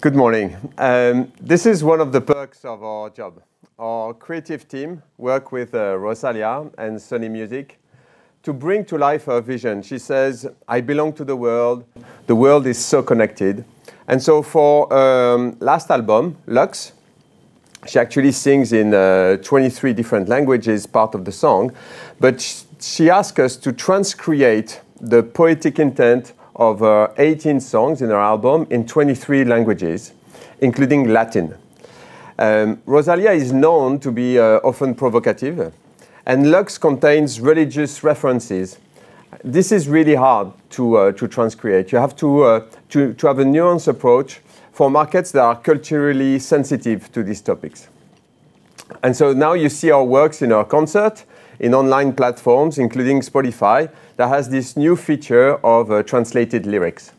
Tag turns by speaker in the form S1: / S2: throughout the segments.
S1: Good morning. This is one of the perks of our job. Our creative team work with Rosalía and Sony Music to bring to life her vision. She says, "I belong to the world. The world is so connected." For last album, "Lux," she actually sings in 23 different languages, part of the song. She asked us to transcreate the poetic intent of her 18 songs in her album in 23 languages, including Latin. Rosalía is known to be often provocative, and "Lux" contains religious references. This is really hard to transcreate. You have to have a nuanced approach for markets that are culturally sensitive to these topics. Now you see our works in our concert, in online platforms, including Spotify, that has this new feature of translated lyrics.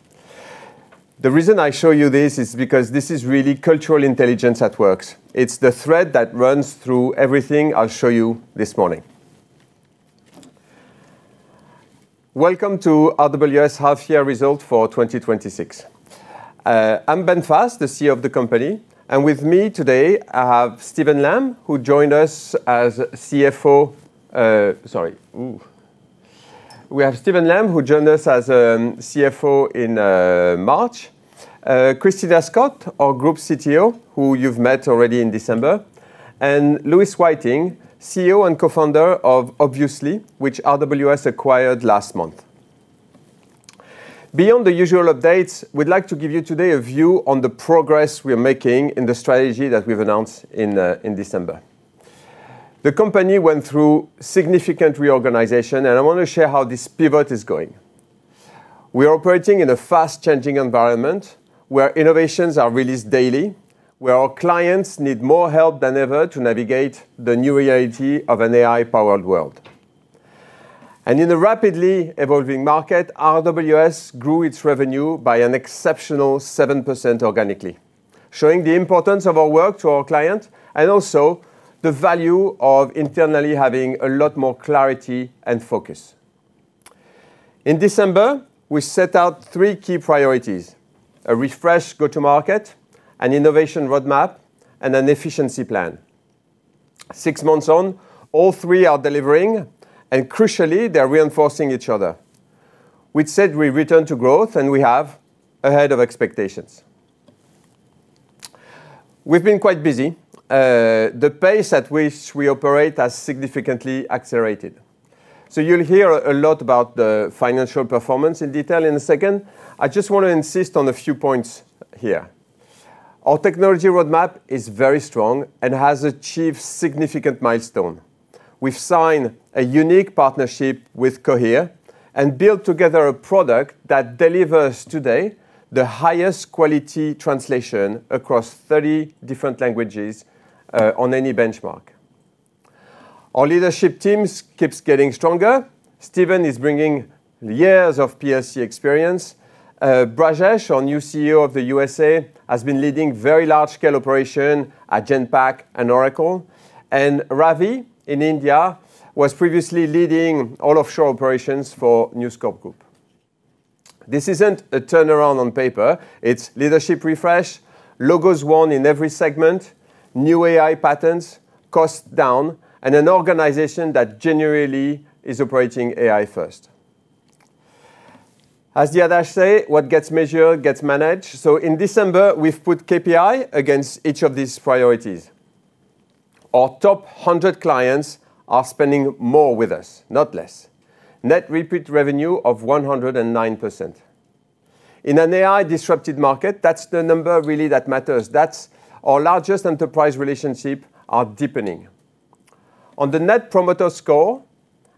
S1: The reason I show you this is because this is really cultural intelligence at work. It's the thread that runs through everything I'll show you this morning. Welcome to RWS half-year results for 2026. I'm Ben Faes, the CEO of the company, and with me today, I have Stephen Lamb. Sorry. We have Stephen Lamb, who joined us as CFO in March. Christina Scott, our group CTO, who you've met already in December, and Lewis Whiting, CEO and co-founder of Obviously, which RWS acquired last month. Beyond the usual updates, we'd like to give you today a view on the progress we are making in the strategy that we've announced in December. The company went through significant reorganization, and I want to share how this pivot is going. We are operating in a fast-changing environment where innovations are released daily, where our clients need more help than ever to navigate the new reality of an AI-powered world. In a rapidly evolving market, RWS grew its revenue by an exceptional 7% organically, showing the importance of our work to our client, and also the value of internally having a lot more clarity and focus. In December, we set out three key priorities, a refreshed go-to-market, an innovation roadmap, and an efficiency plan. Six months on, all three are delivering, and crucially, they are reinforcing each other. We said we'd return to growth, and we have, ahead of expectations. We've been quite busy. The pace at which we operate has significantly accelerated. You'll hear a lot about the financial performance in detail in a second. I just want to insist on a few points here. Our technology roadmap is very strong and has achieved significant milestones. We've signed a unique partnership with Cohere and built together a product that delivers today the highest quality translation across 30 different languages on any benchmark. Our leadership team keeps getting stronger. Stephen is bringing years of PSC experience. Brajesh, our new CEO of the U.S.A., has been leading very large-scale operation at Genpact and Oracle. Ravi in India was previously leading all offshore operations for News Corp. This isn't a turnaround on paper. It's leadership refresh, logos worn in every segment, new AI patterns, costs down, and an organization that genuinely is operating AI first. As the adage says, what gets measured gets managed. In December, we've put KPI against each of these priorities. Our top 100 clients are spending more with us, not less. Net repeat revenue of 109%. In an AI-disrupted market, that's the number really that matters. That's our largest enterprise relationships are deepening. On the net promoter score,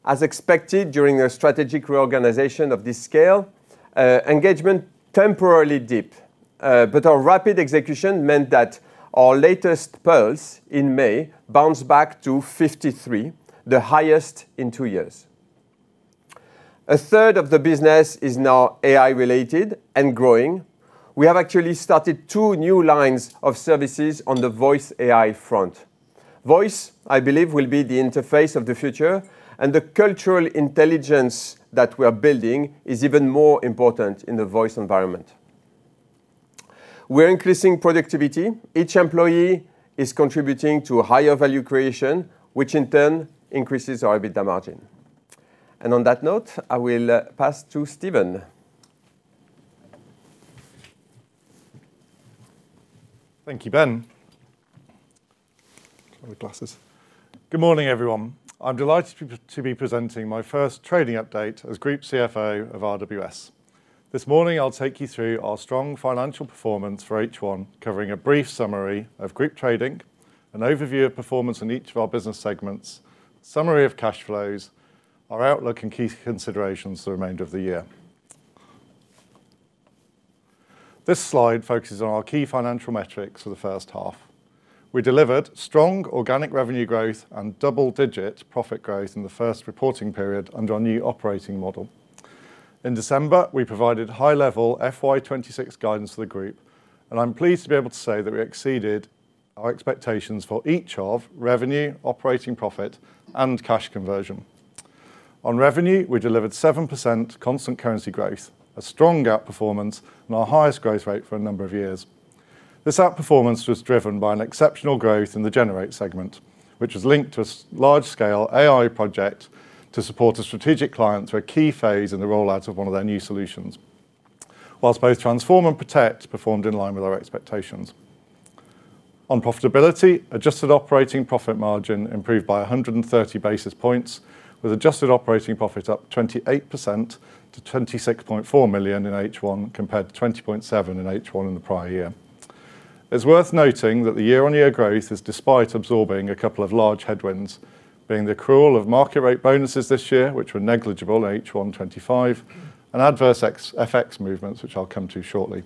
S1: as expected during a strategic reorganization of this scale, engagement temporarily dipped, but our rapid execution meant that our latest pulse in May bounced back to 53, the highest in two years. A third of the business is now AI-related and growing. We have actually started two new lines of services on the voice AI front. Voice, I believe, will be the interface of the future, and the cultural intelligence that we are building is even more important in the voice environment. We're increasing productivity. Each employee is contributing to higher value creation, which in turn increases our EBITDA margin. On that note, I will pass to Stephen.
S2: Thank you, Ben. Got my glasses. Good morning, everyone. I'm delighted to be presenting my first trading update as Group CFO of RWS. This morning, I'll take you through our strong financial performance for H1, covering a brief summary of group trading, an overview of performance in each of our business segments, summary of cash flows, our outlook, and key considerations for the remainder of the year. This slide focuses on our key financial metrics for the first half. We delivered strong organic revenue growth and double-digit profit growth in the first reporting period under our new operating model. In December, we provided high-level FY 2026 guidance to the group, and I'm pleased to be able to say that we exceeded our expectations for each of revenue, operating profit, and cash conversion. On revenue, we delivered 7% constant currency growth, a strong outperformance, and our highest growth rate for a number of years. This outperformance was driven by an exceptional growth in the Generate segment, which was linked to a large-scale AI project to support a strategic client through a key phase in the rollout of one of their new solutions. Whilst both Transform and Protect performed in line with our expectations. On profitability, adjusted operating profit margin improved by 130 basis points, with adjusted operating profit up 28% to 26.4 million in H1, compared to 20.7 million in H1 in the prior year. It's worth noting that the year-on-year growth is despite absorbing a couple of large headwinds, being the accrual of market rate bonuses this year, which were negligible in H1 2025, and adverse FX movements, which I'll come to shortly.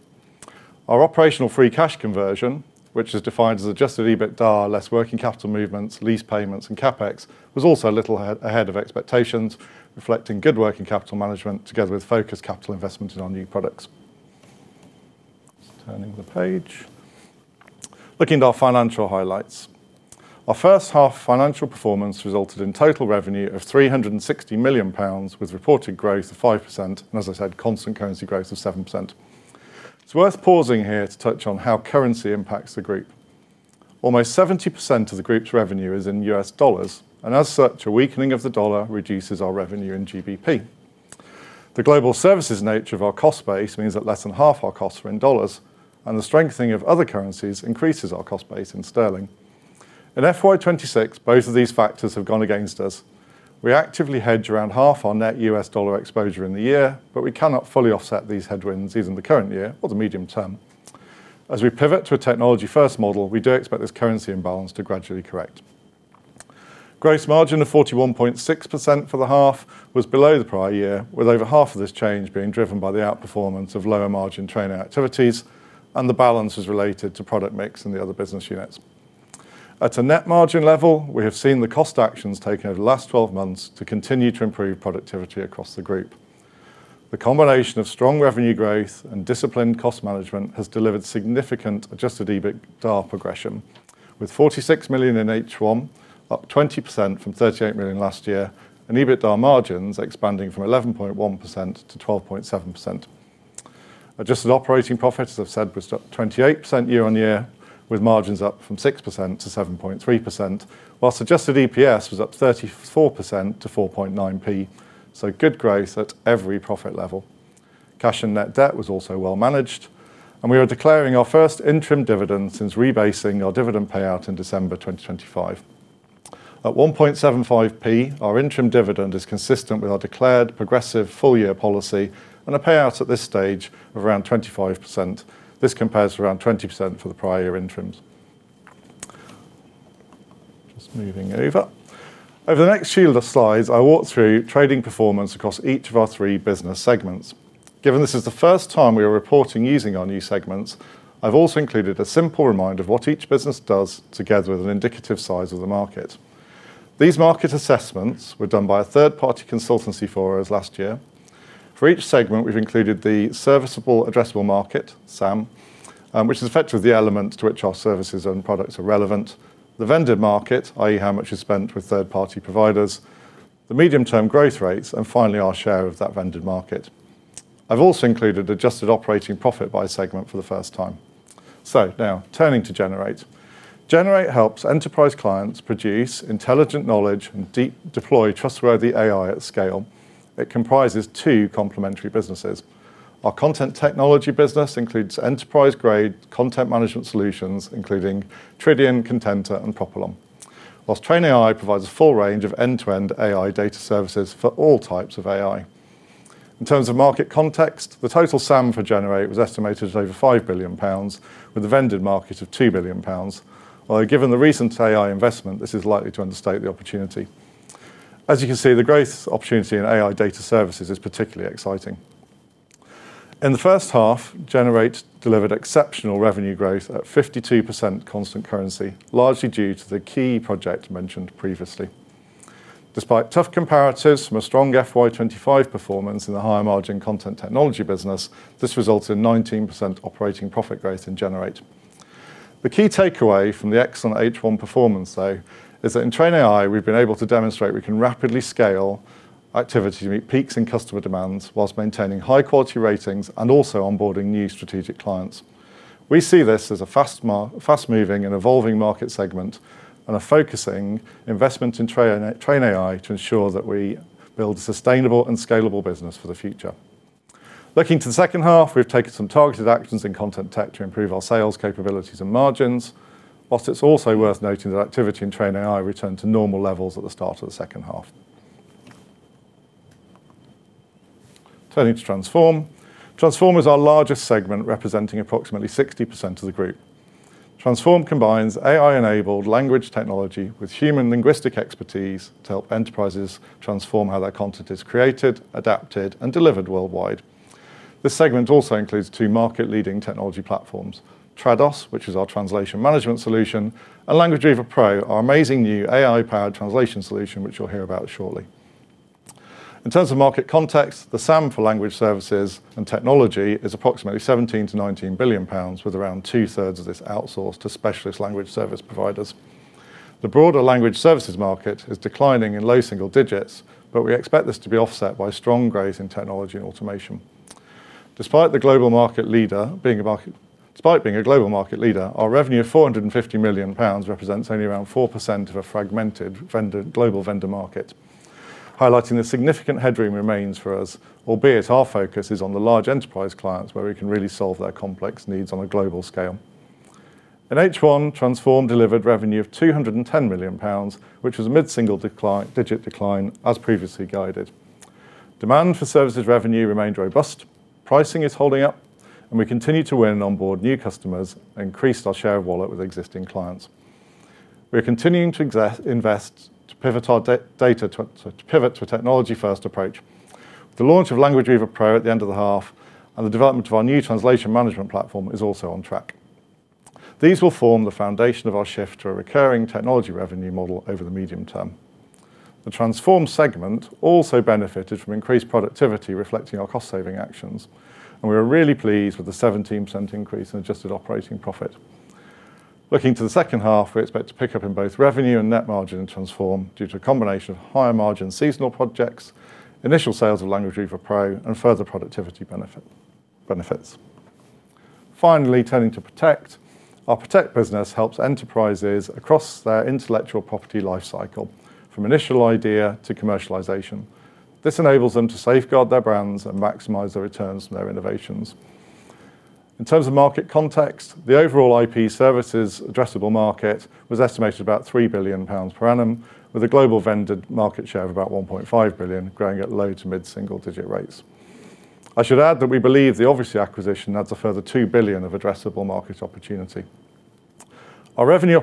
S2: Our operational free cash conversion, which is defined as adjusted EBITDA less working capital movements, lease payments, and CapEx, was also a little ahead of expectations, reflecting good working capital management together with focused capital investment in our new products. Turning the page. Looking at our financial highlights. Our first half financial performance resulted in total revenue of 360 million pounds, with reported growth of 5%, and as I said, constant currency growth of 7%. It's worth pausing here to touch on how currency impacts the group. Almost 70% of the group's revenue is in U.S. dollars, and as such, a weakening of the dollar reduces our revenue in GBP. The global services nature of our cost base means that less than half our costs are in USD, and the strengthening of other currencies increases our cost base in GBP. In FY 2026, both of these factors have gone against us. We actively hedge around half our net USD exposure in the year, but we cannot fully offset these headwinds, either in the current year or the medium term. As we pivot to a technology-first model, we do expect this currency imbalance to gradually correct. Gross margin of 41.6% for the half was below the prior year, with over half of this change being driven by the outperformance of lower margin TrainAI activities, and the balance is related to product mix in the other business units. At a net margin level, we have seen the cost actions taken over the last 12 months to continue to improve productivity across the group. The combination of strong revenue growth and disciplined cost management has delivered significant adjusted EBITDA progression, with 46 million in H1, up 20% from 38 million last year, and EBITDA margins expanding from 11.1% to 12.7%. Adjusted operating profit, as I've said, was up 28% year-over-year, with margins up from 6% to 7.3%, whilst adjusted EPS was up 34% to 0.049, so good growth at every profit level. Cash and net debt was also well managed, and we are declaring our first interim dividend since rebasing our dividend payout in December 2025. At 0.0175, our interim dividend is consistent with our declared progressive full-year policy, and a payout at this stage of around 25%. This compares to around 20% for the prior year interims. Just moving over. Over the next few of the slides, I walk through trading performance across each of our three business segments. Given this is the first time we are reporting using our new segments, I've also included a simple reminder of what each business does, together with an indicative size of the market. These market assessments were done by a third-party consultancy for us last year. For each segment, we've included the serviceable addressable market, SAM, which is effectively the element to which our services and products are relevant, the vended market, i.e., how much is spent with third-party providers, the medium-term growth rates, and finally, our share of that vended market. I've also included adjusted operating profit by segment for the first time. Now, turning to Generate. Generate helps enterprise clients produce intelligent knowledge and deploy trustworthy AI at scale. It comprises two complementary businesses. Our content technology business includes enterprise-grade content management solutions, including Tridion, Contenta, and Propylon. Whilst TrainAI provides a full range of end-to-end AI data services for all types of AI. In terms of market context, the total SAM for Generate was estimated at over 5 billion pounds, with a vended market of 2 billion pounds. Although given the recent AI investment, this is likely to understate the opportunity. As you can see, the growth opportunity in AI data services is particularly exciting. In the first half, Generate delivered exceptional revenue growth at 52% constant currency, largely due to the key project mentioned previously. Despite tough comparatives from a strong FY 2025 performance in the higher margin content technology business, this resulted in 19% operating profit growth in Generate. The key takeaway from the excellent H1 performance, though, is that in TrainAI, we've been able to demonstrate we can rapidly scale activity to meet peaks in customer demands whilst maintaining high-quality ratings and also onboarding new strategic clients. We see this as a fast-moving and evolving market segment, and are focusing investment in TrainAI to ensure that we build a sustainable and scalable business for the future. Looking to the second half, we've taken some targeted actions in content tech to improve our sales capabilities and margins. Whilst it's also worth noting that activity in TrainAI returned to normal levels at the start of the second half. Turning to Transform. Transform is our largest segment, representing approximately 60% of the group. Transform combines AI-enabled language technology with human linguistic expertise to help enterprises transform how their content is created, adapted, and delivered worldwide. This segment also includes two market-leading technology platforms, Trados, which is our translation management solution, and Language Weaver Pro, our amazing new AI-powered translation solution, which you'll hear about shortly. In terms of market context, the SAM for language services and technology is approximately 17 billion to 19 billion pounds, with around 2/3 of this outsourced to specialist language service providers. The broader language services market is declining in low single digits, but we expect this to be offset by strong growth in technology and automation. Despite being a global market leader, our revenue of 450 million pounds represents only around 4% of a fragmented global vendor market, highlighting the significant headroom remains for us, albeit our focus is on the large enterprise clients where we can really solve their complex needs on a global scale. In H1, Transform delivered revenue of 210 million pounds, which was a mid-single digit decline as previously guided. Demand for services revenue remained robust, pricing is holding up, and we continue to win onboard new customers, and increased our share of wallet with existing clients. We are continuing to invest to pivot to a technology-first approach. The launch of Language Weaver Pro at the end of the half and the development of our new translation management platform is also on track. These will form the foundation of our shift to a recurring technology revenue model over the medium term. The Transform segment also benefited from increased productivity reflecting our cost-saving actions, and we are really pleased with the 17% increase in adjusted operating profit. Looking to the second half, we expect to pick up in both revenue and net margin in Transform due to a combination of higher margin seasonal projects, initial sales of Language Weaver Pro, and further productivity benefits. Finally, turning to Protect. Our Protect business helps enterprises across their intellectual property life cycle from initial idea to commercialization. This enables them to safeguard their brands and maximize their returns from their innovations. In terms of market context, the overall IP services addressable market was estimated about 3 billion pounds per annum, with a global vendor market share of about 1.5 billion growing at low to mid-single digit rates. I should add that we believe the Obviously acquisition adds a further 2 billion of addressable market opportunity. Our revenue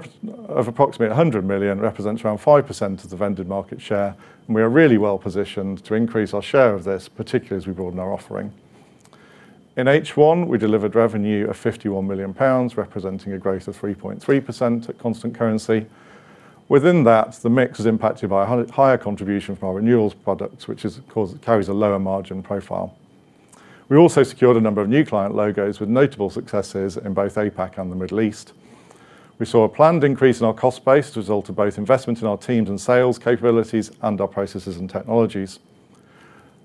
S2: of approximately 100 million represents around 5% of the vendor market share, and we are really well-positioned to increase our share of this, particularly as we broaden our offering. In H1, we delivered revenue of 51 million pounds, representing a growth of 3.3% at constant currency. Within that, the mix was impacted by higher contribution from our renewals products, which carries a lower margin profile. We also secured a number of new client logos with notable successes in both APAC and the Middle East. We saw a planned increase in our cost base as a result of both investment in our teams and sales capabilities and our processes and technologies.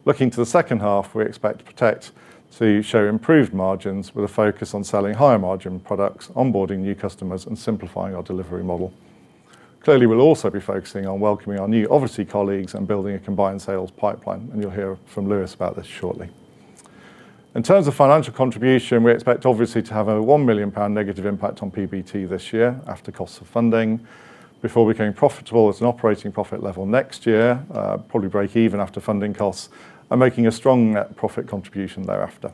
S2: Looking to the second half, we expect Protect to show improved margins with a focus on selling higher margin products, onboarding new customers, and simplifying our delivery model. Clearly, we'll also be focusing on welcoming our new Obviously colleagues and building a combined sales pipeline, and you'll hear from Lewis about this shortly. In terms of financial contribution, we expect Obviously to have a 1 million pound negative impact on PBT this year, after cost of funding, before becoming profitable at an operating profit level next year, probably break even after funding costs, and making a strong net profit contribution thereafter.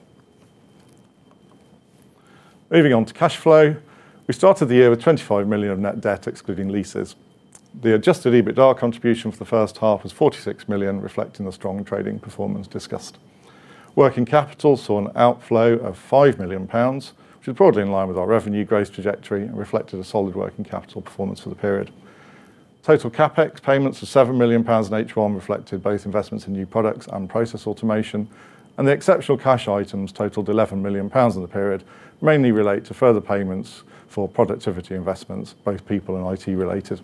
S2: Moving on to cash flow. We started the year with 25 million of net debt, excluding leases. The adjusted EBITDA contribution for the first half was 46 million, reflecting the strong trading performance discussed. Working capital saw an outflow of 5 million pounds, which was broadly in line with our revenue growth trajectory and reflected a solid working capital performance for the period. Total CapEx payments of 7 million pounds in H1 reflected both investments in new products and process automation, and the exceptional cash items totaled 11 million pounds in the period, mainly relate to further payments for productivity investments, both people and IT related.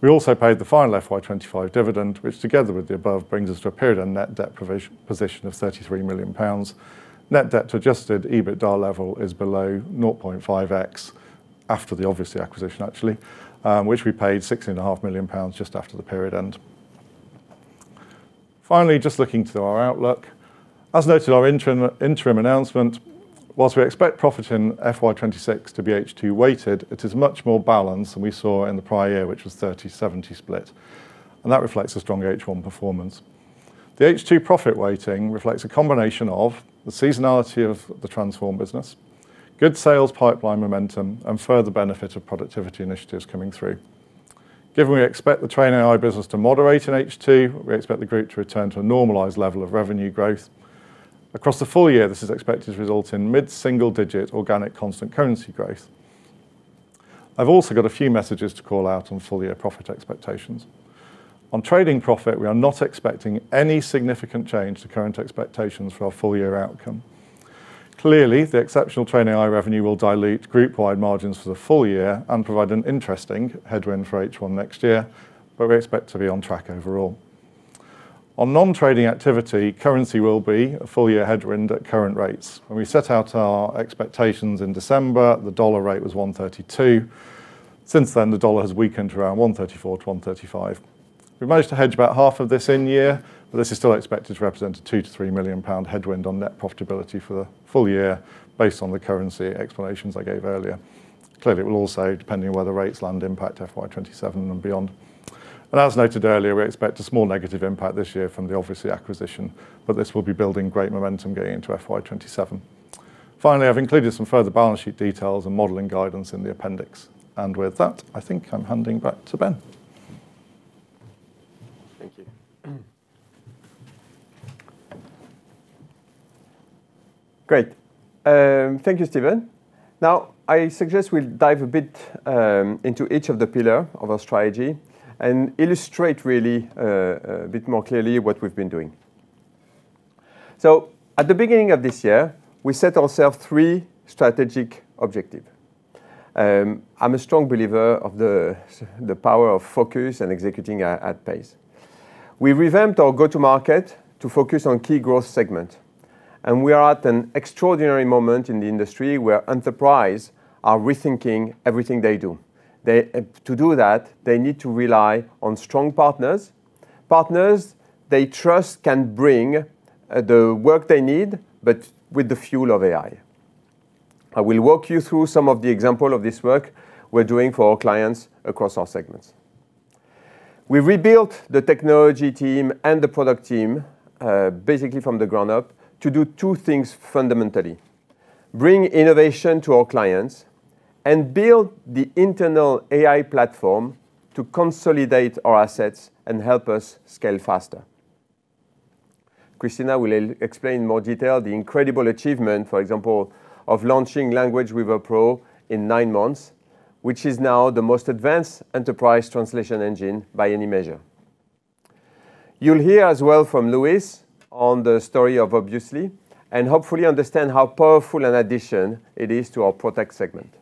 S2: We also paid the final FY 2025 dividend, which together with the above, brings us to a period-end net debt position of 33 million pounds. Net debt to adjusted EBITDA level is below 0.5x after the Obviously acquisition actually, which we paid 16.5 million pounds just after the period end. Finally, just looking to our outlook. As noted in our interim announcement, whilst we expect profit in FY 2026 to be H2 weighted, it is much more balanced than we saw in the prior year, which was 30/70 split, and that reflects a stronger H1 performance. The H2 profit weighting reflects a combination of the seasonality of the Transform business, good sales pipeline momentum, and further benefit of productivity initiatives coming through. Given we expect the TrainAI business to moderate in H2, we expect the group to return to a normalized level of revenue growth. Across the full-year, this is expected to result in mid-single digit organic constant currency growth. I've also got a few messages to call out on full-year profit expectations. On trading profit, we are not expecting any significant change to current expectations for our full-year outcome. Clearly, the exceptional TrainAI revenue will dilute group wide margins for the full-year and provide an interesting headwind for H1 next year. We expect to be on track overall. On non-trading activity, currency will be a full-year headwind at current rates. When we set out our expectations in December, the GBP/USD rate was $1.32. Since then, the dollar has weakened to around $1.34 to $1.35. We managed to hedge about half of this in year, but this is still expected to represent a 2 million-3 million pound headwind on net profitability for the full-year based on the currency explanations I gave earlier. Clearly, it will also depending on whether rates land impact FY 2027 and beyond. As noted earlier, we expect a small negative impact this year from the Obviously acquisition, but this will be building great momentum getting into FY 2027. Finally, I've included some further balance sheet details and modeling guidance in the appendix. With that, I think I'm handing back to Ben.
S1: Thank you. Great. Thank you, Stephen. I suggest we dive a bit into each of the pillar of our strategy and illustrate really a bit more clearly what we've been doing. At the beginning of this year, we set ourselves three strategic objectives. I'm a strong believer of the power of focus and executing at pace. We revamped our go-to-market to focus on key growth segments, and we are at an extraordinary moment in the industry where enterprises are rethinking everything they do. To do that, they need to rely on strong partners they trust can bring the work they need, but with the fuel of AI. I will walk you through some of the examples of this work we're doing for our clients across our segments. We rebuilt the technology team and the product team, basically from the ground up, to do two things fundamentally, bring innovation to our clients and build the internal AI platform to consolidate our assets and help us scale faster. Christina will explain more details the incredible achievement, for example, of launching Language Weaver Pro in nine months, which is now the most advanced enterprise translation engine by any measure. You'll hear as well from Lewis on the story of Obviously and hopefully understand how powerful an addition it is to our Protect segment.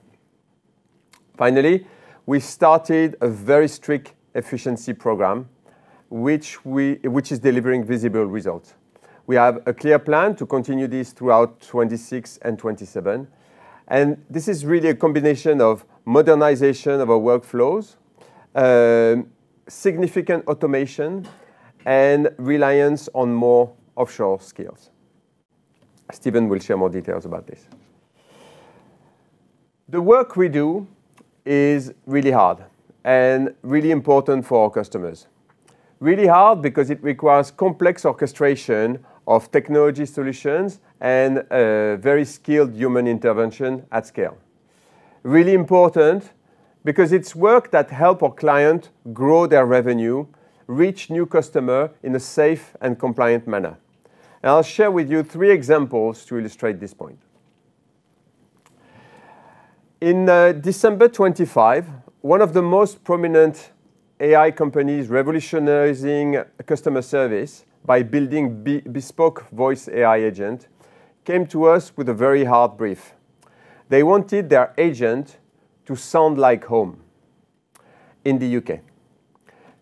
S1: Finally, we started a very strict efficiency program, which is delivering visible results. We have a clear plan to continue this throughout 2026 and 2027. This is really a combination of modernization of our workflows, significant automation, and reliance on more offshore skills. Stephen will share more details about this. The work we do is really hard and really important for our customers. Really hard because it requires complex orchestration of technology solutions and very skilled human intervention at scale. Really important because it's work that helps our clients grow their revenue, reach new customers in a safe and compliant manner. I'll share with you three examples to illustrate this point. In December 2025, one of the most prominent AI companies revolutionizing customer service by building bespoke voice AI agents came to us with a very hard brief. They wanted their agent to sound like home in the U.K.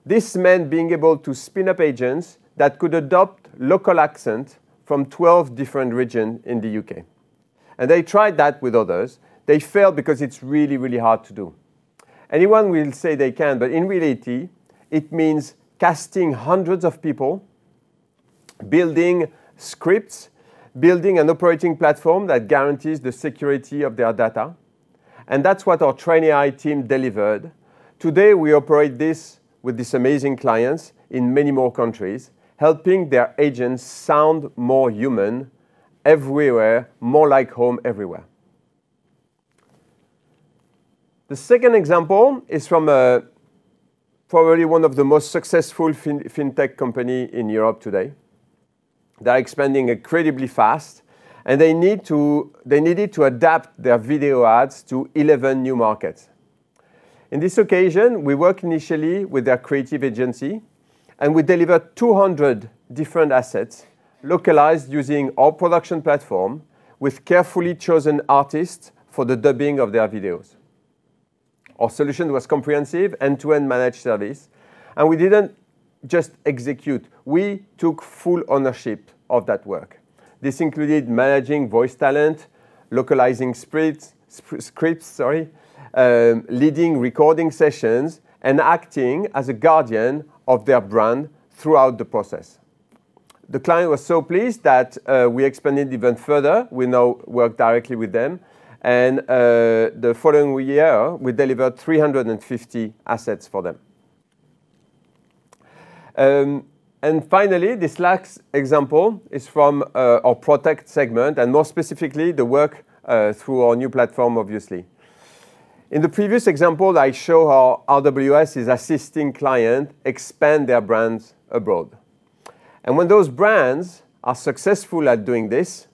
S1: This meant being able to spin up agents that could adopt local accent from 12 different regions in the U.K. They tried that with others. They failed because it's really hard to do. Anyone will say they can, but in reality, it means casting hundreds of people, building scripts, building an operating platform that guarantees the security of their data. That's what our TrainAI team delivered. Today, we operate this with these amazing clients in many more countries, helping their agents sound more human everywhere, more like home everywhere. The second example is from probably one of the most successful fintech company in Europe today. They are expanding incredibly fast, and they needed to adapt their video ads to 11 new markets. In this occasion, we work initially with their creative agency. We delivered 200 different assets localized using our production platform with carefully chosen artists for the dubbing of their videos. Our solution was comprehensive end-to-end managed service. We didn't just execute, we took full ownership of that work. This included managing voice talent, localizing scripts, leading recording sessions and acting as a guardian of their brand throughout the process. The client was so pleased that we expanded even further. We now work directly with them. The following year, we delivered 350 assets for them. Finally, this last example is from our Protect segment, and more specifically, the work through our new platform, Obviously. In the previous example, I show how RWS is assisting client expand their brands abroad. When those brands are successful at doing this,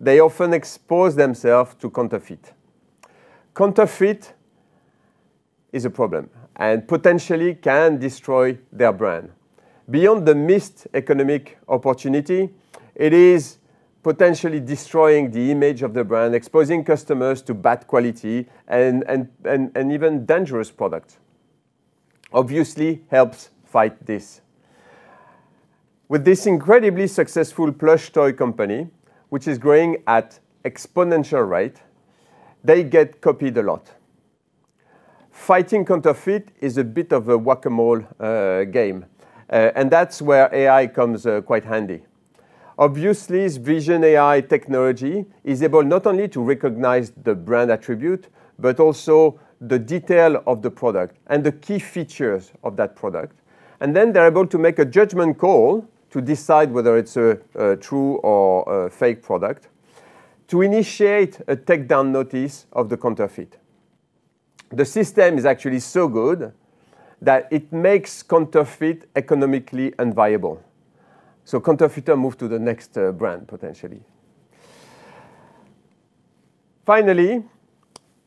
S1: they often expose themselves to counterfeit. Counterfeit is a problem and potentially can destroy their brand. Beyond the missed economic opportunity, it is potentially destroying the image of the brand, exposing customers to bad quality and even dangerous product. Obviously helps fight this. With this incredibly successful plush toy company, which is growing at exponential rate, they get copied a lot. Fighting counterfeit is a bit of a whack-a-mole game. That's where AI comes quite handy. Obviously's vision AI technology is able not only to recognize the brand attribute, but also the detail of the product and the key features of that product. They are able to make a judgment call to decide whether it's a true or a fake product to initiate a take down notice of the counterfeit. The system is actually so good that it makes counterfeit economically unviable. Counterfeiter move to the next brand, potentially. Finally,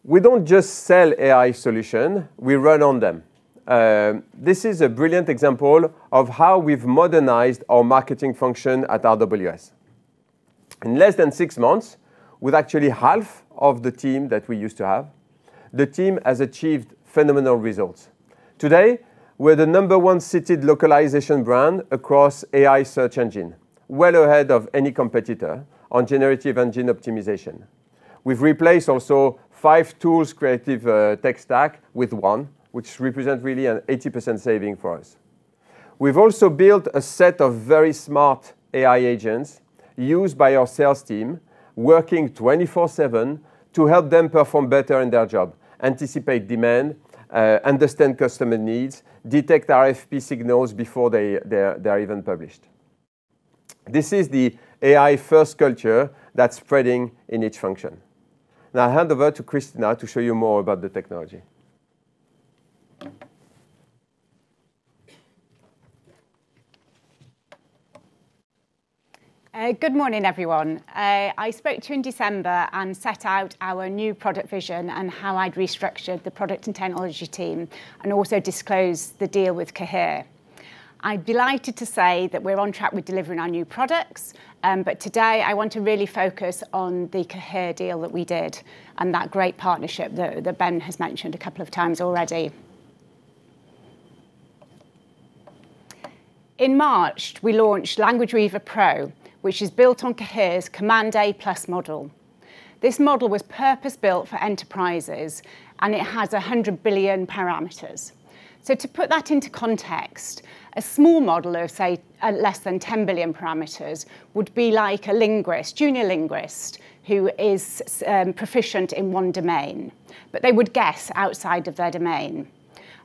S1: we don't just sell AI solution, we run on them. This is a brilliant example of how we've modernized our marketing function at RWS. In less than six months, with actually half of the team that we used to have, the team has achieved phenomenal results. Today, we're the number one seated localization brand across AI search engine, well ahead of any competitor on generative engine optimization. We've replaced also five tools creative tech stack with one, which represent really an 80% saving for us. We've also built a set of very smart AI agents used by our sales team, working 24/7 to help them perform better in their job, anticipate demand, understand customer needs, detect RFP signals before they are even published. This is the AI-first culture that's spreading in each function. I hand over to Christina to show you more about the technology.
S3: Good morning, everyone. I spoke to you in December and set out our new product vision and how I'd restructured the product and technology team, and also disclosed the deal with Cohere. I'm delighted to say that we're on track with delivering our new products. Today, I want to really focus on the Cohere deal that we did and that great partnership that Ben has mentioned a couple of times already. In March, we launched Language Weaver Pro, which is built on Cohere's Command A+ model. This model was purpose-built for enterprises, and it has 100 billion parameters. To put that into context, a small model of, say, less than 10 billion parameters would be like a junior linguist who is proficient in one domain, but they would guess outside of their domain.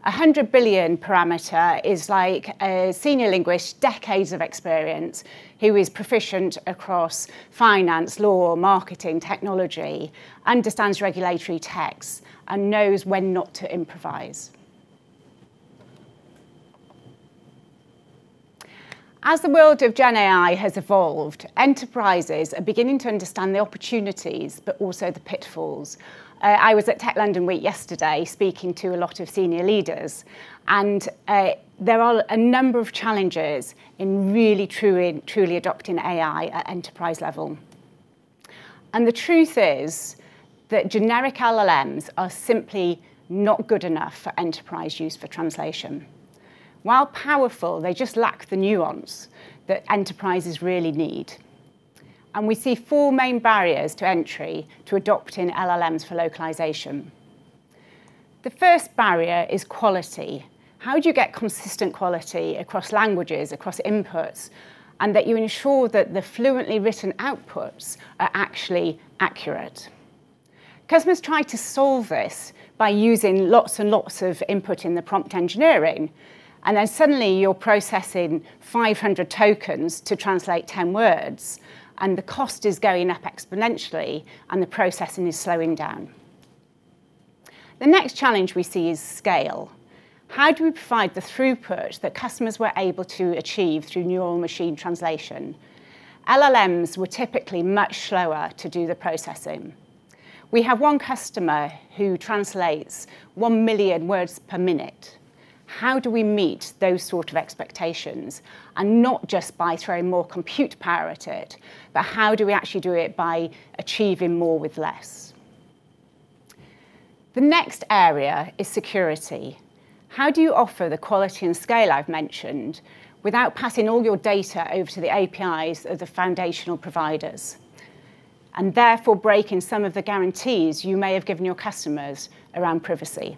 S3: 100 billion parameter is like a senior linguist, decades of experience, who is proficient across finance, law, marketing, technology, understands regulatory texts, and knows when not to improvise. As the world of GenAI has evolved, enterprises are beginning to understand the opportunities, but also the pitfalls. I was at London Tech Week yesterday speaking to a lot of senior leaders, and there are a number of challenges in really truly adopting AI at enterprise level. The truth is that generic LLMs are simply not good enough for enterprise use for translation. While powerful, they just lack the nuance that enterprises really need. We see four main barriers to entry to adopting LLMs for localization. The first barrier is quality. How do you get consistent quality across languages, across inputs, and that you ensure that the fluently written outputs are actually accurate? Customers try to solve this by using lots and lots of input in the prompt engineering, then suddenly you're processing 500 tokens to translate 10 words, and the cost is going up exponentially and the processing is slowing down. The next challenge we see is scale. How do we provide the throughput that customers were able to achieve through neural machine translation? LLMs were typically much slower to do the processing. We have one customer who translates 1 million words per minute. How do we meet those sort of expectations, and not just by throwing more compute power at it, but how do we actually do it by achieving more with less? The next area is security. How do you offer the quality and scale I've mentioned without passing all your data over to the APIs of the foundational providers, and therefore breaking some of the guarantees you may have given your customers around privacy?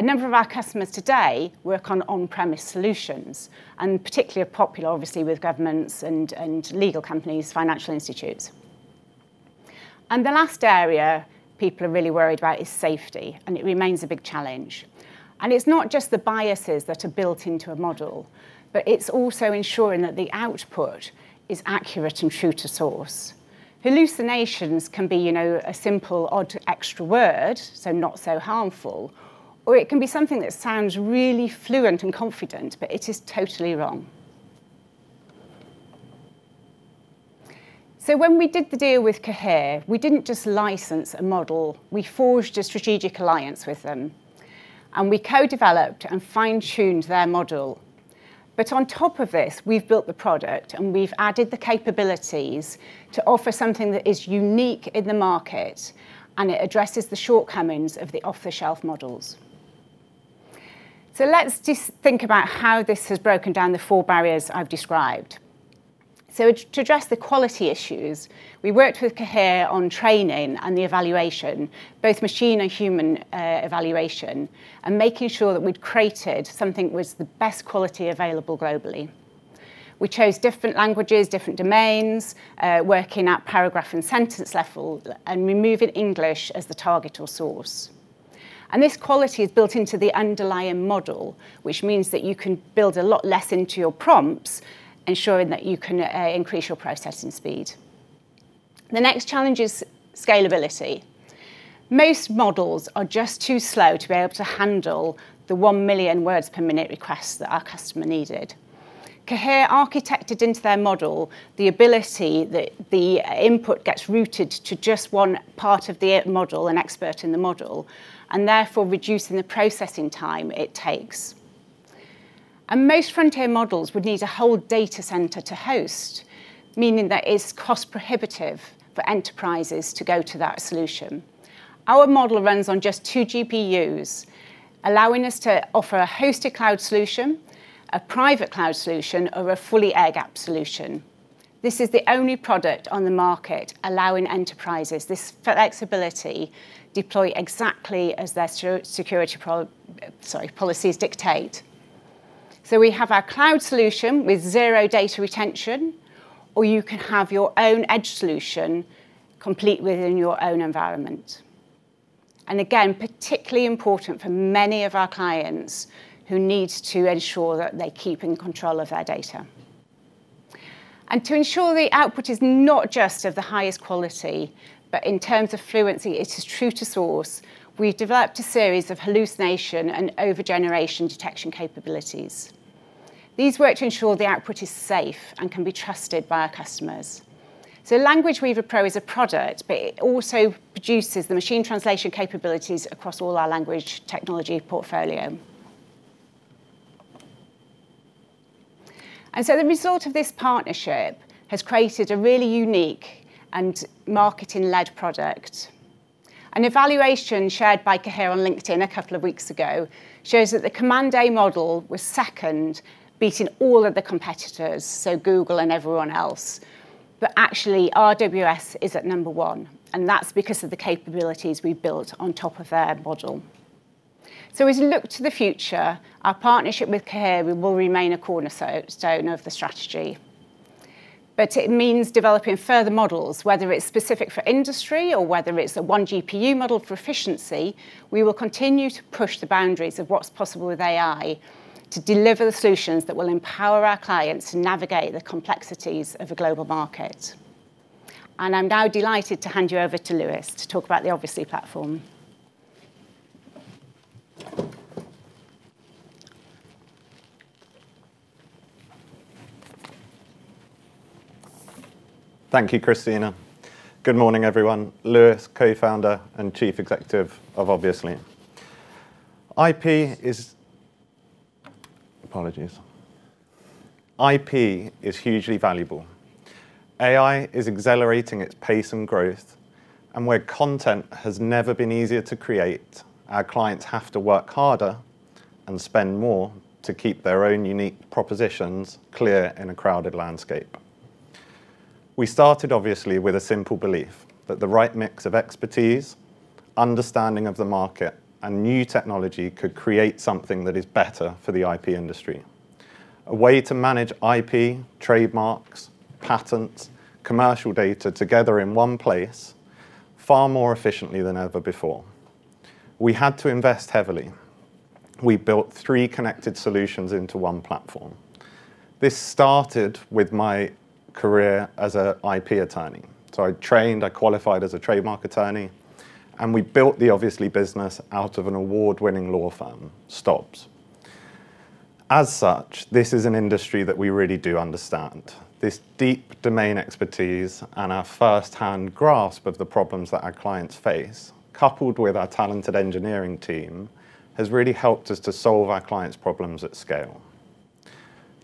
S3: A number of our customers today work on on-premise solutions, and particularly are popular obviously with governments and legal companies, financial institutes. The last area people are really worried about is safety, and it remains a big challenge. It's not just the biases that are built into a model, but it's also ensuring that the output is accurate and true to source. Hallucinations can be a simple odd extra word, so not so harmful, or it can be something that sounds really fluent and confident, but it is totally wrong. When we did the deal with Cohere, we didn't just license a model, we forged a strategic alliance with them, and we co-developed and fine-tuned their model. On top of this, we've built the product and we've added the capabilities to offer something that is unique in the market, and it addresses the shortcomings of the off-the-shelf models. Let's just think about how this has broken down the four barriers I've described. To address the quality issues, we worked with Cohere on training and the evaluation, both machine and human evaluation, and making sure that we'd created something that was the best quality available globally. We chose different languages, different domains, working at paragraph and sentence level, and removing English as the target or source. This quality is built into the underlying model, which means that you can build a lot less into your prompts, ensuring that you can increase your processing speed. The next challenge is scalability. Most models are just too slow to be able to handle the 1 million words per minute request that our customer needed. Cohere architected into their model the ability that the input gets routed to just one part of the model, an expert in the model, and therefore reducing the processing time it takes. Most frontier models would need a whole data center to host, meaning that it's cost prohibitive for enterprises to go to that solution. Our model runs on just 2 GPUs, allowing us to offer a hosted cloud solution, a private cloud solution, or a fully air-gapped solution. This is the only product on the market allowing enterprises this flexibility deploy exactly as their security policies dictate. We have our cloud solution with zero data retention, or you can have your own edge solution complete within your own environment. Again, particularly important for many of our clients who need to ensure that they're keeping control of their data. To ensure the output is not just of the highest quality, but in terms of fluency, it is true to source, we've developed a series of hallucination and over-generation detection capabilities. These work to ensure the output is safe and can be trusted by our customers. Language Weaver Pro is a product, but it also produces the machine translation capabilities across all our language technology portfolio. The result of this partnership has created a really unique and marketing-led product. An evaluation shared by Cohere on LinkedIn a couple of weeks ago shows that the Command A model was second, beating all of the competitors, so Google and everyone else. Actually, RWS is at number one, and that's because of the capabilities we built on top of their model. As we look to the future, our partnership with Cohere will remain a cornerstone of the strategy. It means developing further models, whether it's specific for industry or whether it's a 1 GPU model for efficiency, we will continue to push the boundaries of what's possible with AI to deliver the solutions that will empower our clients to navigate the complexities of a global market. I'm now delighted to hand you over to Lewis to talk about the Obviously platform.
S4: Thank you, Christina. Good morning, everyone. Lewis, Co-founder and Chief Executive of Obviously. IP is hugely valuable. AI is accelerating its pace and growth, and where content has never been easier to create, our clients have to work harder and spend more to keep their own unique propositions clear in a crowded landscape. We started Obviously with a simple belief that the right mix of expertise, understanding of the market, and new technology could create something that is better for the IP industry. A way to manage IP, trademarks, patents, commercial data together in one place, far more efficiently than ever before. We had to invest heavily. We built three connected solutions into one platform. This started with my career as an IP attorney. I trained, I qualified as a trademark attorney, and we built the Obviously business out of an award-winning law firm, Stobbs. As such, this is an industry that we really do understand. This deep domain expertise and our first-hand grasp of the problems that our clients face, coupled with our talented engineering team, has really helped us to solve our clients' problems at scale.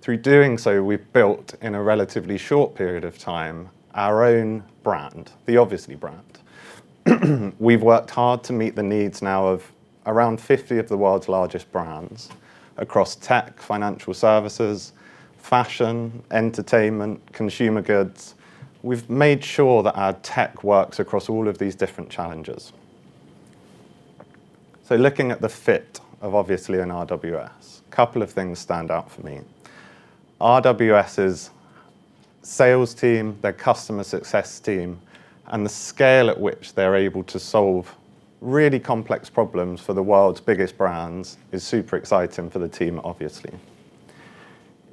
S4: Through doing so, we've built, in a relatively short period of time, our own brand, the Obviously brand. We've worked hard to meet the needs now of around 50 of the world's largest brands across tech, financial services, fashion, entertainment, consumer goods. We've made sure that our tech works across all of these different challenges. Looking at the fit of Obviously and RWS, couple of things stand out for me. RWS' sales team, their customer success team, and the scale at which they're able to solve really complex problems for the world's biggest brands is super exciting for the team at Obviously.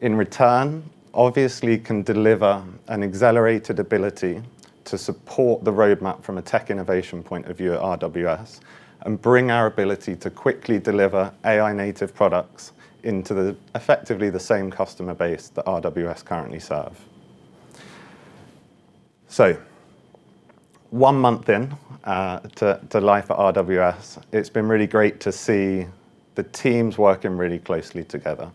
S4: In return, Obviously can deliver an accelerated ability to support the roadmap from a tech innovation point of view at RWS and bring our ability to quickly deliver AI-native products into effectively the same customer base that RWS currently serve. One month in to life at RWS, it's been really great to see the teams working really closely together.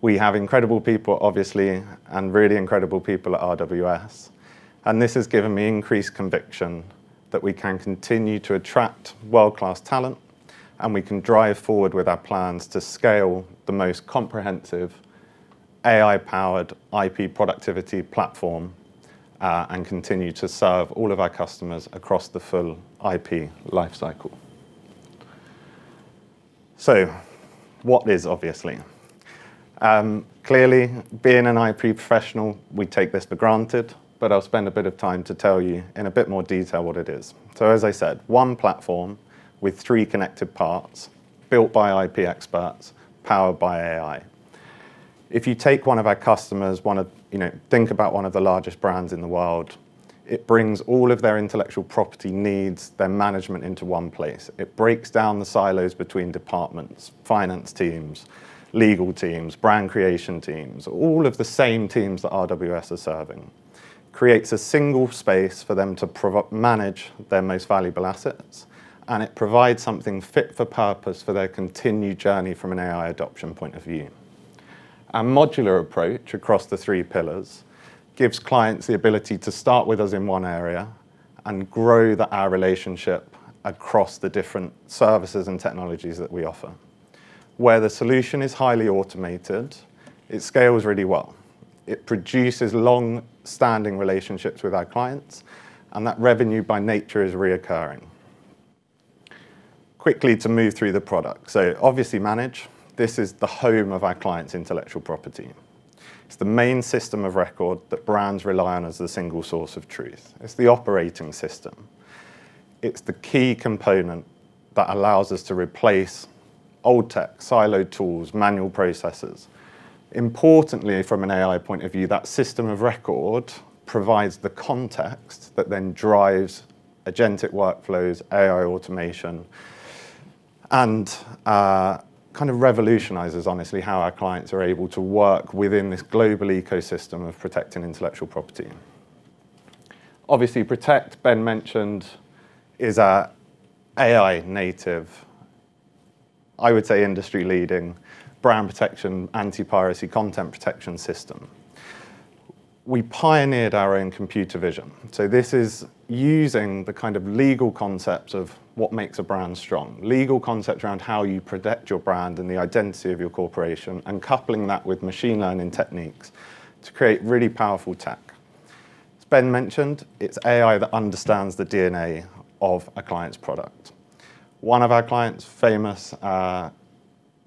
S4: We have incredible people at Obviously and really incredible people at RWS, and this has given me increased conviction that we can continue to attract world-class talent, and we can drive forward with our plans to scale the most comprehensive AI-powered IP productivity platform, and continue to serve all of our customers across the full IP life cycle. What is Obviously? Clearly, being an IP professional, we take this for granted, but I'll spend a bit of time to tell you in a bit more detail what it is. As I said, one platform with three connected parts built by IP experts, powered by AI. If you take one of our customers, think about one of the largest brands in the world, it brings all of their intellectual property needs, their management into one place. It breaks down the silos between departments, finance teams, legal teams, brand creation teams, all of the same teams that RWS are serving. Creates a single space for them to manage their most valuable assets, and it provides something fit for purpose for their continued journey from an AI adoption point of view. Our modular approach across the three pillars gives clients the ability to start with us in one area and grow our relationship across the different services and technologies that we offer. Where the solution is highly automated, it scales really well. That revenue, by nature, is reoccurring. Quickly to move through the product. Obviously Manage, this is the home of our clients' intellectual property. It's the main system of record that brands rely on as the single source of truth. It's the operating system. It's the key component that allows us to replace old tech, siloed tools, manual processes. Importantly, from an AI point of view, that system of record provides the context that then drives agentic workflows, AI automation, and revolutionizes, honestly, how our clients are able to work within this global ecosystem of protecting intellectual property. Obviously Protect, Ben mentioned, is our AI native, I would say industry leading, brand protection, anti-piracy, content protection system. We pioneered our own computer vision. This is using the kind of legal concepts of what makes a brand strong, legal concept around how you protect your brand and the identity of your corporation, coupling that with machine learning techniques to create really powerful tech. As Ben mentioned, it's AI that understands the DNA of a client's product. One of our clients, famous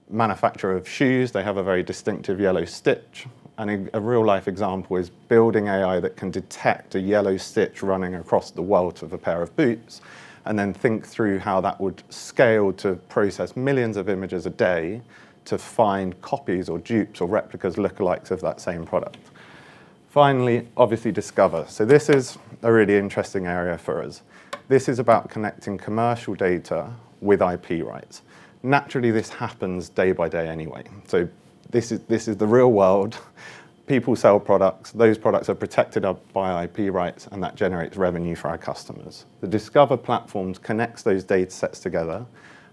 S4: manufacturer of shoes, they have a very distinctive yellow stitch, a real-life example is building AI that can detect a yellow stitch running across the welt of a pair of boots, and then think through how that would scale to process millions of images a day to find copies or dupes or replicas, lookalikes of that same product. Finally, Obviously Discover. This is a really interesting area for us. This is about connecting commercial data with IP rights. Naturally, this happens day by day anyway. This is the real world. People sell products. Those products are protected by IP rights, that generates revenue for our customers. The Discover platform connects those data sets together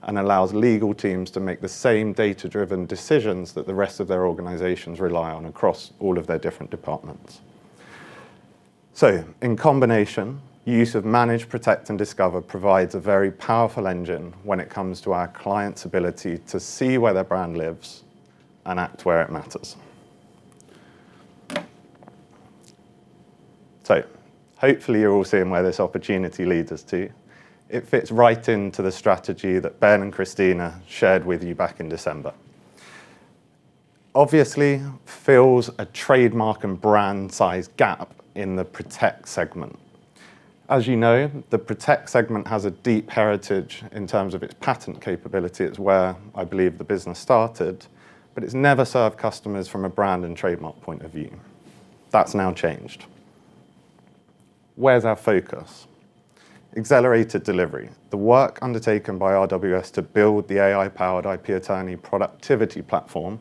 S4: and allows legal teams to make the same data-driven decisions that the rest of their organizations rely on across all of their different departments. In combination, use of Manage, Protect, and Discover provides a very powerful engine when it comes to our clients' ability to see where their brand lives and act where it matters. Hopefully you're all seeing where this opportunity leads us to. It fits right into the strategy that Ben and Christina shared with you back in December. Obviously fills a trademark and brand size gap in the Protect segment. As you know, the Protect segment has a deep heritage in terms of its patent capability. It's where I believe the business started, it's never served customers from a brand and trademark point of view. That's now changed. Where's our focus? Accelerated delivery. The work undertaken by RWS to build the AI-powered IP attorney productivity platform,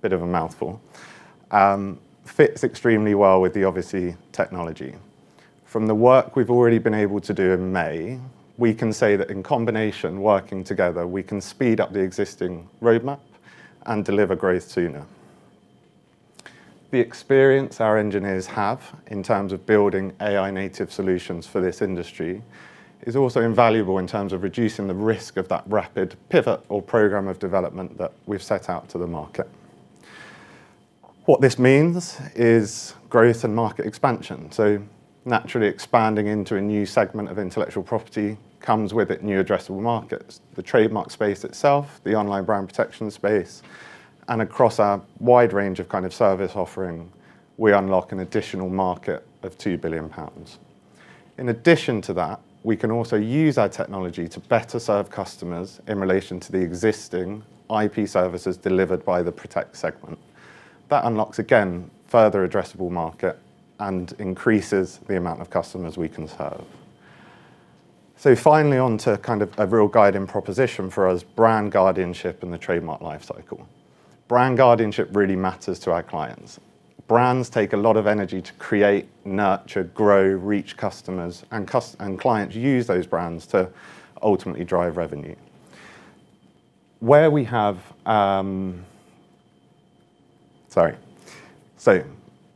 S4: bit of a mouthful, fits extremely well with the Obviously technology. From the work we've already been able to do in May, we can say that in combination, working together, we can speed up the existing roadmap and deliver growth sooner. The experience our engineers have in terms of building AI native solutions for this industry is also invaluable in terms of reducing the risk of that rapid pivot or program of development that we've set out to the market. What this means is growth and market expansion. Naturally expanding into a new segment of intellectual property comes with it new addressable markets. The trademark space itself, the online brand protection space, and across our wide range of service offering, we unlock an additional market of 2 billion pounds. In addition to that, we can also use our technology to better serve customers in relation to the existing IP services delivered by the Protect segment. That unlocks, again, further addressable market and increases the amount of customers we can serve. Finally, on to a real guiding proposition for us, brand guardianship in the trademark life cycle. Brand guardianship really matters to our clients. Brands take a lot of energy to create, nurture, grow, reach customers, and clients use those brands to ultimately drive revenue.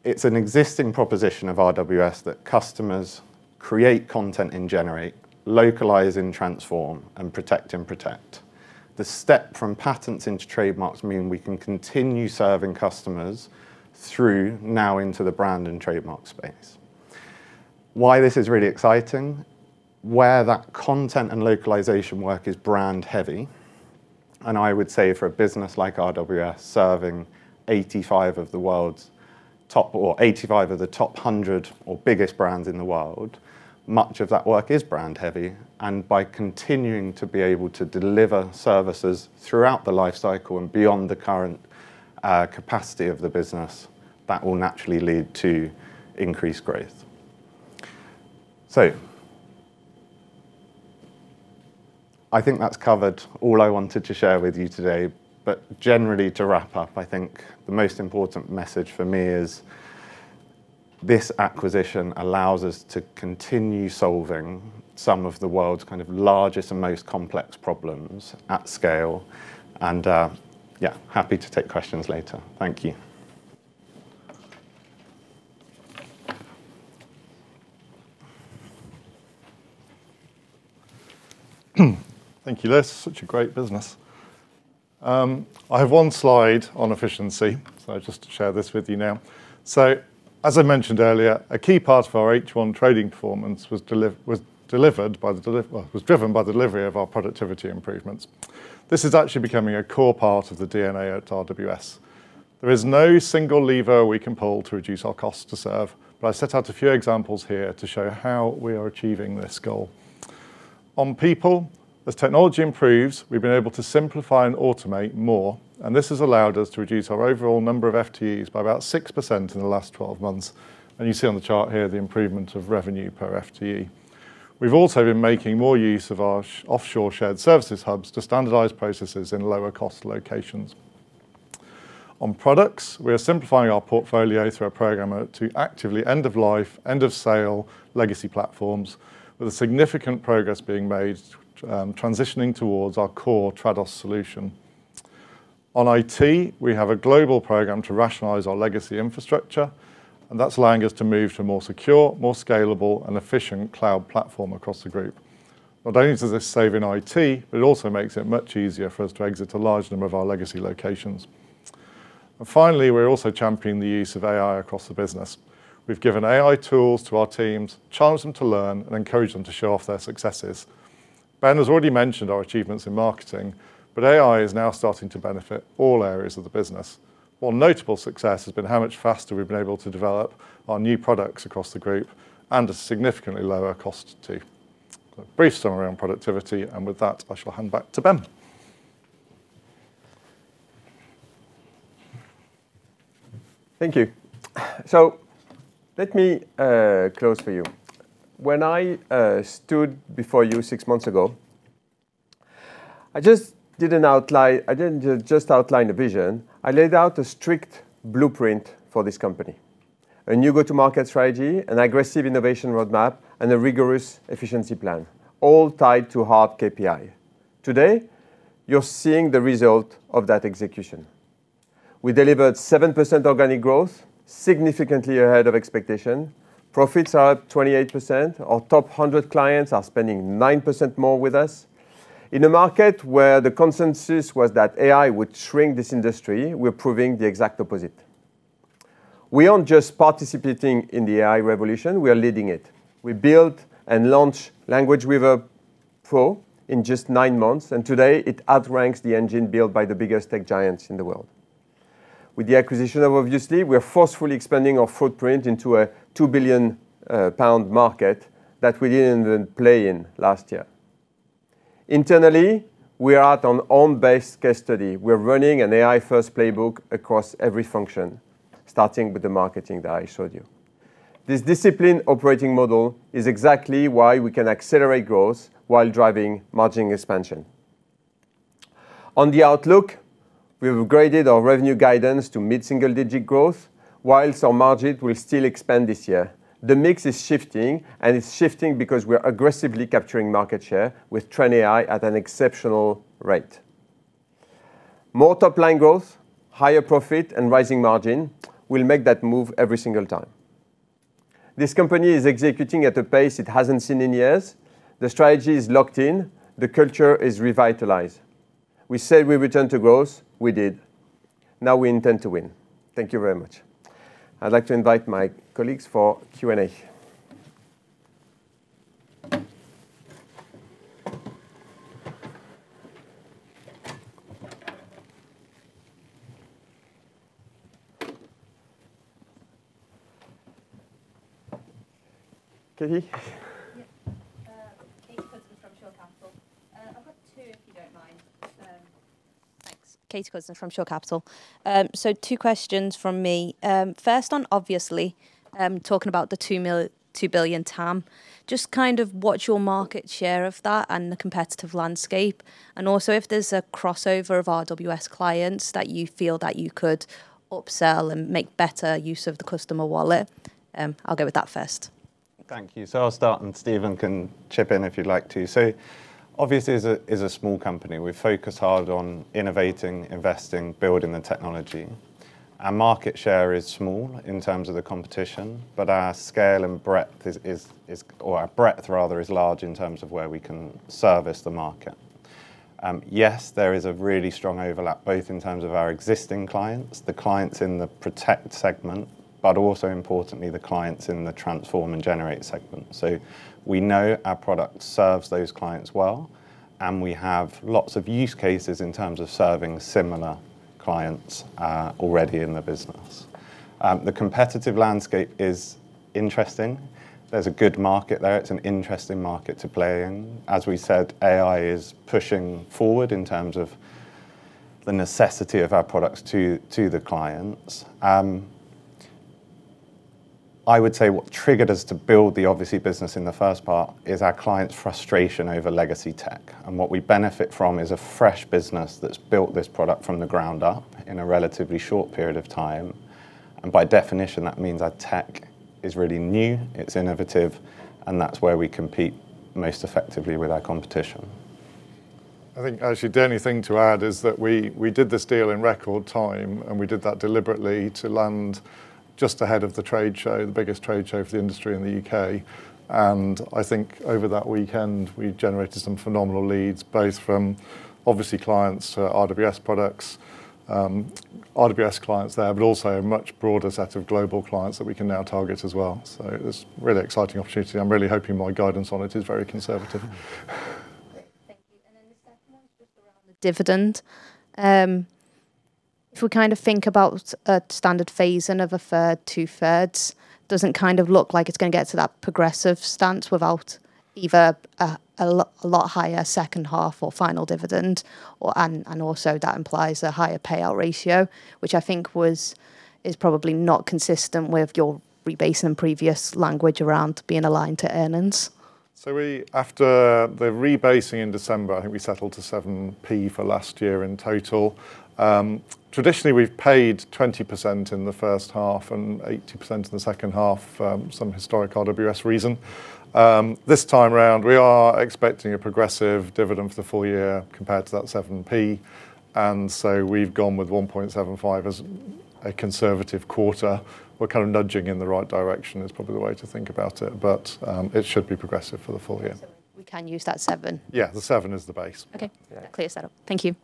S4: It's an existing proposition of RWS that customers create content in Generate, localize in Transform, and protect in Protect. The step from patents into trademarks mean we can continue serving customers through now into the brand and trademark space. Why this is really exciting, where that content and localization work is brand heavy, and I would say for a business like RWS serving 85 of the top 100 or biggest brands in the world, much of that work is brand heavy. By continuing to be able to deliver services throughout the life cycle and beyond the current capacity of the business, that will naturally lead to increased growth. I think that's covered all I wanted to share with you today, but generally to wrap up, I think the most important message for me is this acquisition allows us to continue solving some of the world's largest and most complex problems at scale, and yeah, happy to take questions later. Thank you.
S2: Thank you, Lewis. Such a great business. I have one slide on efficiency, so just to share this with you now. As I mentioned earlier, a key part of our H1 trading performance was driven by the delivery of our productivity improvements. This is actually becoming a core part of the DNA at RWS. There is no single lever we can pull to reduce our cost to serve, but I set out a few examples here to show how we are achieving this goal. On people, as technology improves, we've been able to simplify and automate more, and this has allowed us to reduce our overall number of FTEs by about 6% in the last 12 months. You see on the chart here the improvement of revenue per FTE. We've also been making more use of our offshore shared services hubs to standardize processes in lower cost locations. On products, we are simplifying our portfolio through a program to actively end of life, end of sale legacy platforms with a significant progress being made, transitioning towards our core Trados solution. On IT, we have a global program to rationalize our legacy infrastructure, and that's allowing us to move to a more secure, more scalable and efficient cloud platform across the group. Not only does this save in IT, but it also makes it much easier for us to exit a large number of our legacy locations. Finally, we're also championing the use of AI across the business. We've given AI tools to our teams, challenged them to learn and encouraged them to show off their successes. Ben has already mentioned our achievements in marketing, but AI is now starting to benefit all areas of the business. One notable success has been how much faster we've been able to develop our new products across the group, at significantly lower cost too. A brief summary on productivity, with that, I shall hand back to Ben.
S1: Thank you. Let me close for you. When I stood before you six months ago, I didn't just outline a vision, I laid out a strict blueprint for this company. A new go-to-market strategy, an aggressive innovation roadmap, and a rigorous efficiency plan, all tied to hard KPI. Today, you're seeing the result of that execution. We delivered 7% organic growth, significantly ahead of expectation. Profits are up 28%. Our top 100 clients are spending 9% more with us. In a market where the consensus was that AI would shrink this industry, we're proving the exact opposite. We aren't just participating in the AI revolution, we are leading it. We built and launched Language Weaver Pro in just nine months, today it outranks the engine built by the biggest tech giants in the world. With the acquisition of Obviously, we are forcefully expanding our footprint into a 2 billion pound market that we didn't even play in last year. Internally, we are at an home-based case study. We're running an AI-first playbook across every function, starting with the marketing that I showed you. This disciplined operating model is exactly why we can accelerate growth while driving margin expansion. On the outlook, we've upgraded our revenue guidance to mid-single digit growth, whilst our margin will still expand this year. The mix is shifting, it's shifting because we are aggressively capturing market share with TrainAI at an exceptional rate. More top-line growth, higher profit, and rising margin will make that move every single time. This company is executing at a pace it hasn't seen in years. The strategy is locked in. The culture is revitalized. We said we'd return to growth. We did. Now we intend to win. Thank you very much. I'd like to invite my colleagues for Q&A. Katie?
S5: Yeah. Katie Cousins from Shore Capital. I've got two, if you don't mind. Thanks. Katie Cousins from Shore Capital. Two questions from me. First on Obviously, talking about the 2 billion TAM, just kind of what's your market share of that and the competitive landscape, and also if there's a crossover of RWS clients that you feel that you could upsell and make better use of the customer wallet. I'll go with that first.
S4: Thank you. I'll start, and Stephen can chip in if you'd like to. Obviously is a small company. We focus hard on innovating, investing, building the technology. Our market share is small in terms of the competition, but our scale and breadth is-- or our breadth rather, is large in terms of where we can service the market. Yes, there is a really strong overlap, both in terms of our existing clients, the clients in the Protect segment, but also importantly the clients in the Transform and Generate segment. We know our product serves those clients well, and we have lots of use cases in terms of serving similar clients already in the business. The competitive landscape is interesting. There's a good market there. It's an interesting market to play in. As we said, AI is pushing forward in terms of the necessity of our products to the clients. I would say what triggered us to build the Obviously business in the first part is our clients' frustration over legacy tech. What we benefit from is a fresh business that's built this product from the ground up in a relatively short period of time. By definition, that means our tech is really new, it's innovative, and that's where we compete most effectively with our competition.
S2: I think actually the only thing to add is that we did this deal in record time, we did that deliberately to land just ahead of the trade show, the biggest trade show for the industry in the U.K. I think over that weekend, we generated some phenomenal leads, both from Obviously clients to RWS products, RWS clients there, but also a much broader set of global clients that we can now target as well. It was a really exciting opportunity. I am really hoping my guidance on it is very conservative.
S5: Great. Thank you. The second one is just around the dividend. If we think about a standard phasing of a third, two-thirds, doesn't look like it's going to get to that progressive stance without either a lot higher second half or final dividend, also that implies a higher payout ratio, which I think is probably not consistent with your rebasing previous language around being aligned to earnings.
S2: After the rebasing in December, I think we settled to 0.07 for last year in total. Traditionally, we've paid 20% in the first half and 80% in the second half for some historic RWS reason. This time around, we are expecting a progressive dividend for the full year compared to that 0.07, we've gone with 0.0175 as a conservative quarter. We're kind of nudging in the right direction is probably the way to think about it should be progressive for the full year.
S5: We can use that 0.07?
S2: Yeah, 0.07 is the base.
S5: Okay. Clear setup. Thank you.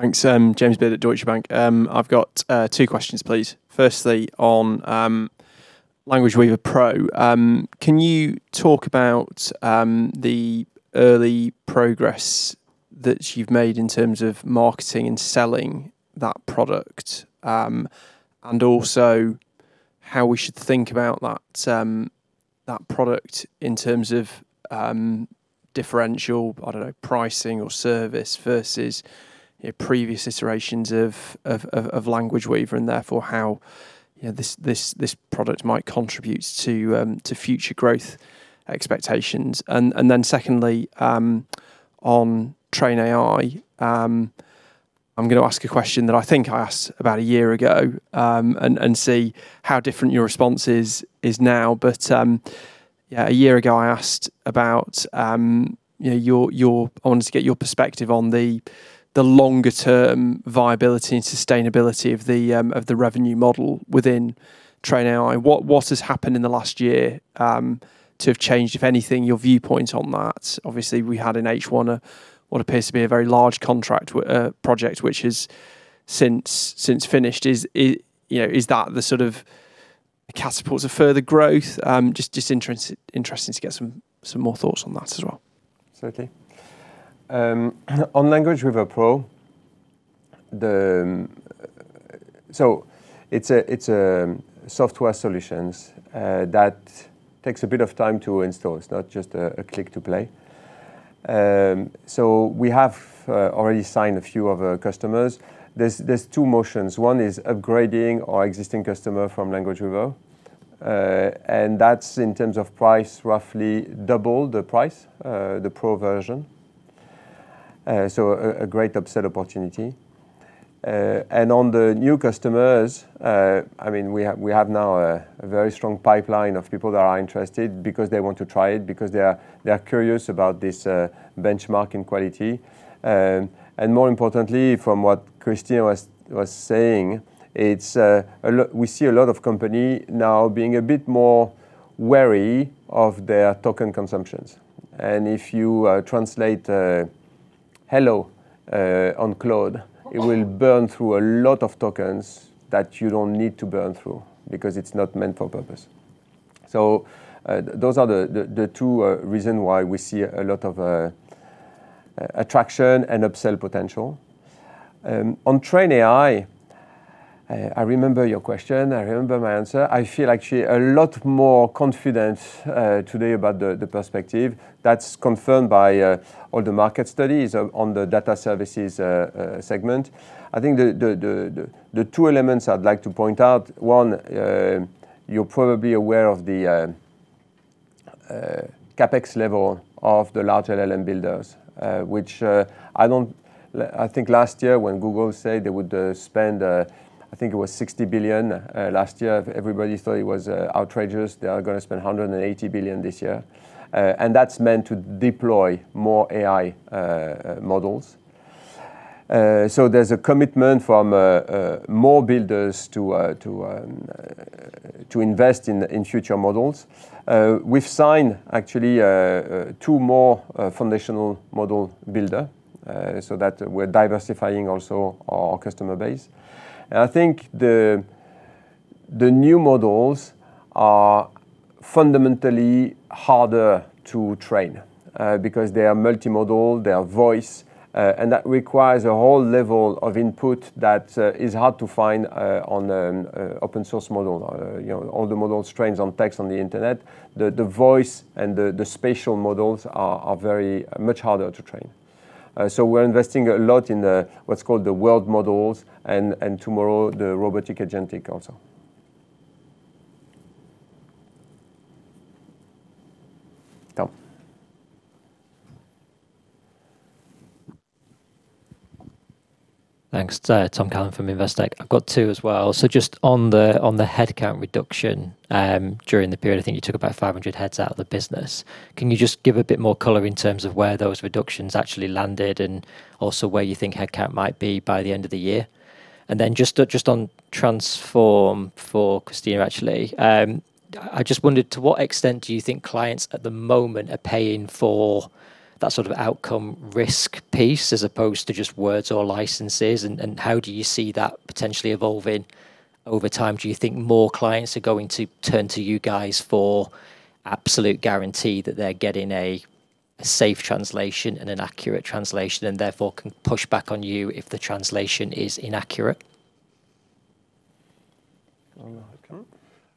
S6: Thanks. James Beard at Deutsche Bank. I've got two questions, please. Firstly, on Language Weaver Pro, can you talk about the early progress that you've made in terms of marketing and selling that product, and also how we should think about that product in terms of differential, I don't know, pricing or service versus previous iterations of Language Weaver, and therefore how this product might contribute to future growth expectations. Secondly, on TrainAI, I'm going to ask a question that I think I asked about a year ago, and see how different your response is now. A year ago, I wanted to get your perspective on the longer-term viability and sustainability of the revenue model within TrainAI. What has happened in the last year to have changed, if anything, your viewpoint on that? Obviously, we had in H1 what appears to be a very large contract project, which has since finished. Is that the sort of catapult to further growth? Just interested to get some more thoughts on that as well.
S1: Certainly. On Language Weaver Pro, it is a software solutions that takes a bit of time to install. It is not just a click to play. We have already signed a few of our customers. There are two motions. One is upgrading our existing customer from Language Weaver, and that is in terms of price, roughly double the price, the Pro version. A great upsell opportunity. On the new customers, we have now a very strong pipeline of people that are interested because they want to try it, because they are curious about this benchmarking quality. More importantly, from what Christina was saying, we see a lot of company now being a bit more wary of their token consumption. If you translate hello on Claude, it will burn through a lot of tokens that you do not need to burn through because it is not meant for purpose. Those are the two reason why we see a lot of attraction and upsell potential. On TrainAI, I remember your question. I remember my answer. I feel actually a lot more confident today about the perspective. That is confirmed by all the market studies on the data services segment. I think the two elements I would like to point out, one, you are probably aware of the CapEx level of the large LLM builders. I think last year when Google said they would spend, I think it was 60 billion last year, everybody thought it was outrageous. They are going to spend 180 billion this year. That is meant to deploy more AI models. There is a commitment from more builders to invest in future models. We have signed actually two more foundational model builder so that we are diversifying also our customer base. I think the new models are fundamentally harder to train because they are multimodal, they are voice and that requires a whole level of input that is hard to find on an open source model. All the models trains on text on the internet. The voice and the spatial models are much harder to train. We are investing a lot in what is called the world models and tomorrow, the robotic agentic also. Tom.
S7: Thanks. Tom Callan from Investec. I have got two as well. Just on the headcount reduction, during the period, I think you took about 500 heads out of the business. Can you just give a bit more color in terms of where those reductions actually landed, and also where you think headcount might be by the end of the year? Just on Transform for Christina, actually. I just wondered, to what extent do you think clients at the moment are paying for that sort of outcome risk piece as opposed to just words or licenses, and how do you see that potentially evolving over time? Do you think more clients are going to turn to you guys for absolute guarantee that they are getting a safe translation and an accurate translation, and therefore can push back on you if the translation is inaccurate?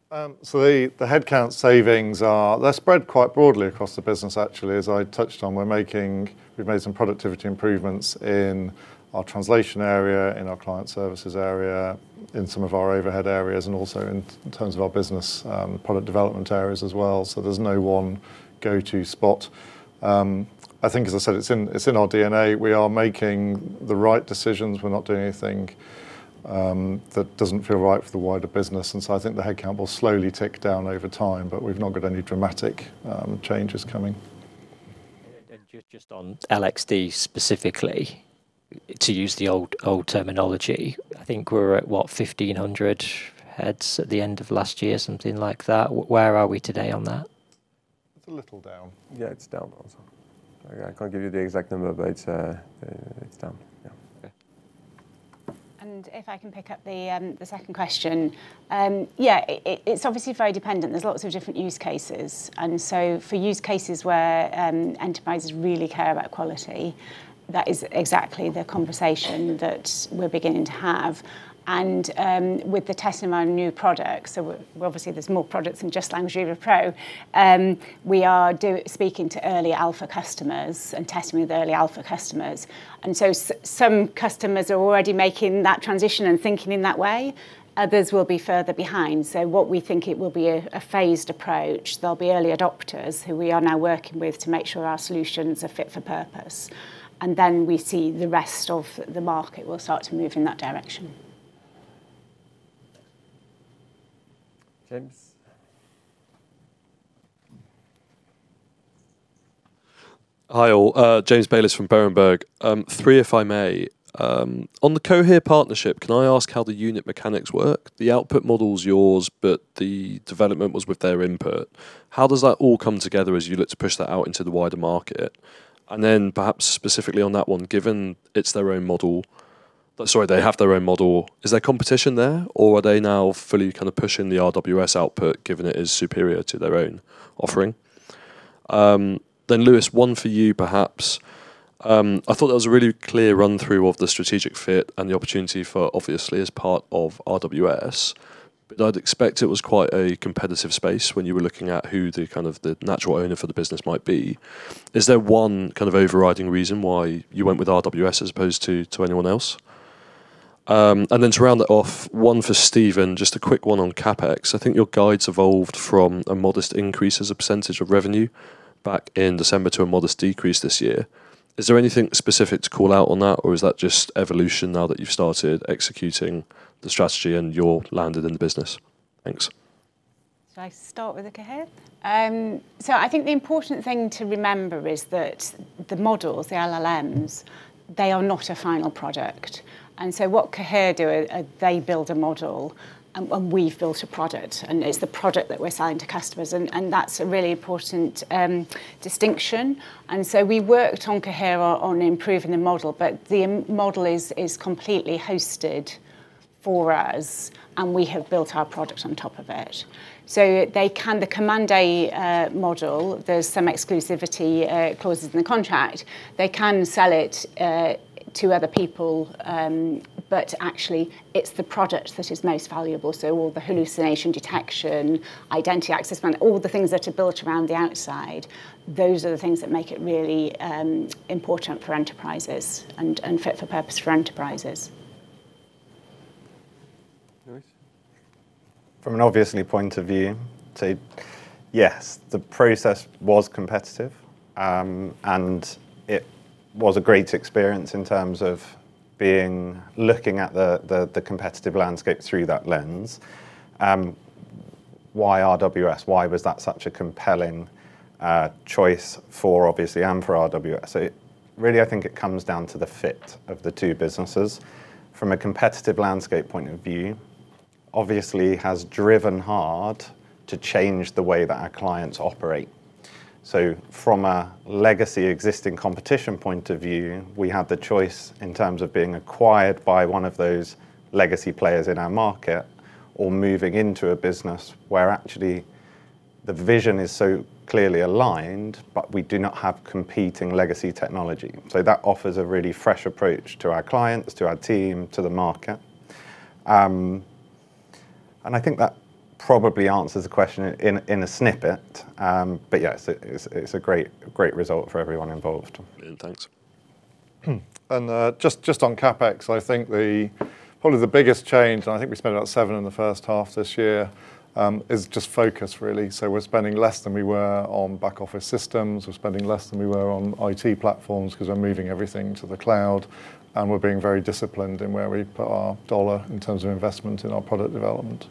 S2: The headcount savings are, they're spread quite broadly across the business actually, as I touched on. We've made some productivity improvements in our translation area, in our client services area, in some of our overhead areas, and also in terms of our business product development areas as well. There's no one go-to spot. I think, as I said, it's in our DNA. We are making the right decisions. We're not doing anything that doesn't feel right for the wider business. I think the headcount will slowly tick down over time, but we've not got any dramatic changes coming.
S7: Just on LXD specifically, to use the old terminology, I think we were at what, 1,500 heads at the end of last year, something like that. Where are we today on that?
S2: It's a little down.
S1: It's down also. I can't give you the exact number, but it's down. Yeah.
S2: Yeah.
S3: If I can pick up the second question. It's obviously very dependent. There's lots of different use cases, for use cases where enterprises really care about quality, that is exactly the conversation that we're beginning to have. With the testimony of new products, obviously there's more products than just Language Weaver Pro, we are speaking to early alpha customers and testing with early alpha customers, some customers are already making that transition and thinking in that way. Others will be further behind. What we think it will be a phased approach. There'll be early adopters who we are now working with to make sure our solutions are fit for purpose, we see the rest of the market will start to move in that direction.
S1: James.
S8: Hi, all. James Bayliss from Berenberg. Three, if I may. On the Cohere partnership, can I ask how the unit mechanics work? The output model's yours, but the development was with their input. How does that all come together as you look to push that out into the wider market? Perhaps specifically on that one, given it's their own model, sorry, they have their own model. Is there competition there, or are they now fully kind of pushing the RWS output, given it is superior to their own offering? Lewis, one for you perhaps. I thought that was a really clear run through of the strategic fit and the opportunity for Obviously as part of RWS, but I'd expect it was quite a competitive space when you were looking at who the kind of the natural owner for the business might be. Is there one kind of overriding reason why you went with RWS as opposed to anyone else? To round that off, one for Stephen, just a quick one on CapEx. I think your guide's evolved from a modest increase as a percentage of revenue back in December to a modest decrease this year. Is there anything specific to call out on that, or is that just evolution now that you've started executing the strategy and you're landed in the business? Thanks.
S3: Should I start with the Cohere? I think the important thing to remember is that the models, the LLMs, they are not a final product. What Cohere do are they build a model, we've built a product, and it's the product that we're selling to customers and that's a really important distinction. We worked on Cohere on improving the model, but the model is completely hosted for us, and we have built our product on top of it. They can, the Command A model, there's some exclusivity clauses in the contract. They can sell it to other people. Actually it's the product that is most valuable. All the hallucination detection, identity access management, all the things that are built around the outside, those are the things that make it really important for enterprises and fit for purpose for enterprises.
S1: Lewis.
S4: From an Obviously point of view, yes, the process was competitive, and it was a great experience in terms of looking at the competitive landscape through that lens. Why RWS? Why was that such a compelling choice for Obviously and for RWS? Really, I think it comes down to the fit of the two businesses. From a competitive landscape point of view, Obviously has driven hard to change the way that our clients operate. From a legacy existing competition point of view, we have the choice in terms of being acquired by one of those legacy players in our market or moving into a business where actually the vision is so clearly aligned, but we do not have competing legacy technology. That offers a really fresh approach to our clients, to our team, to the market. I think that probably answers the question in a snippet. Yes, it's a great result for everyone involved.
S8: Brilliant. Thanks.
S2: CapEx, I think probably the biggest change, I think we spent about 7 million in the first half this year, is just focus really. We're spending less than we were on back office systems. We're spending less than we were on IT platforms because we're moving everything to the cloud, and we're being very disciplined in where we put our dollar in terms of investment in our product development.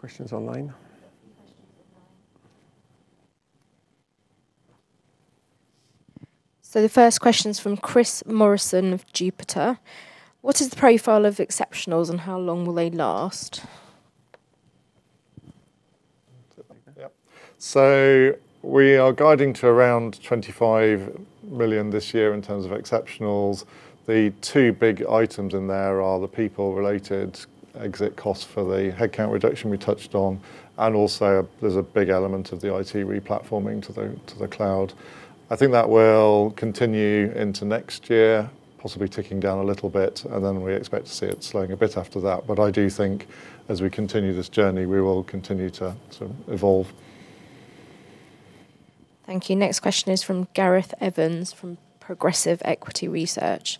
S2: Questions online?
S9: Questions online. The first question is from Chris Morrison of Jupiter. What is the profile of exceptionals and how long will they last?
S2: Yep. We are guiding to around 25 million this year in terms of exceptionals. The two big items in there are the people related exit costs for the headcount reduction we touched on, and also there's a big element of the IT re-platforming to the cloud. I think that will continue into next year, possibly ticking down a little bit, and then we expect to see it slowing a bit after that. I do think as we continue this journey, we will continue to evolve.
S9: Thank you. Next question is from Gareth Evans from Progressive Equity Research.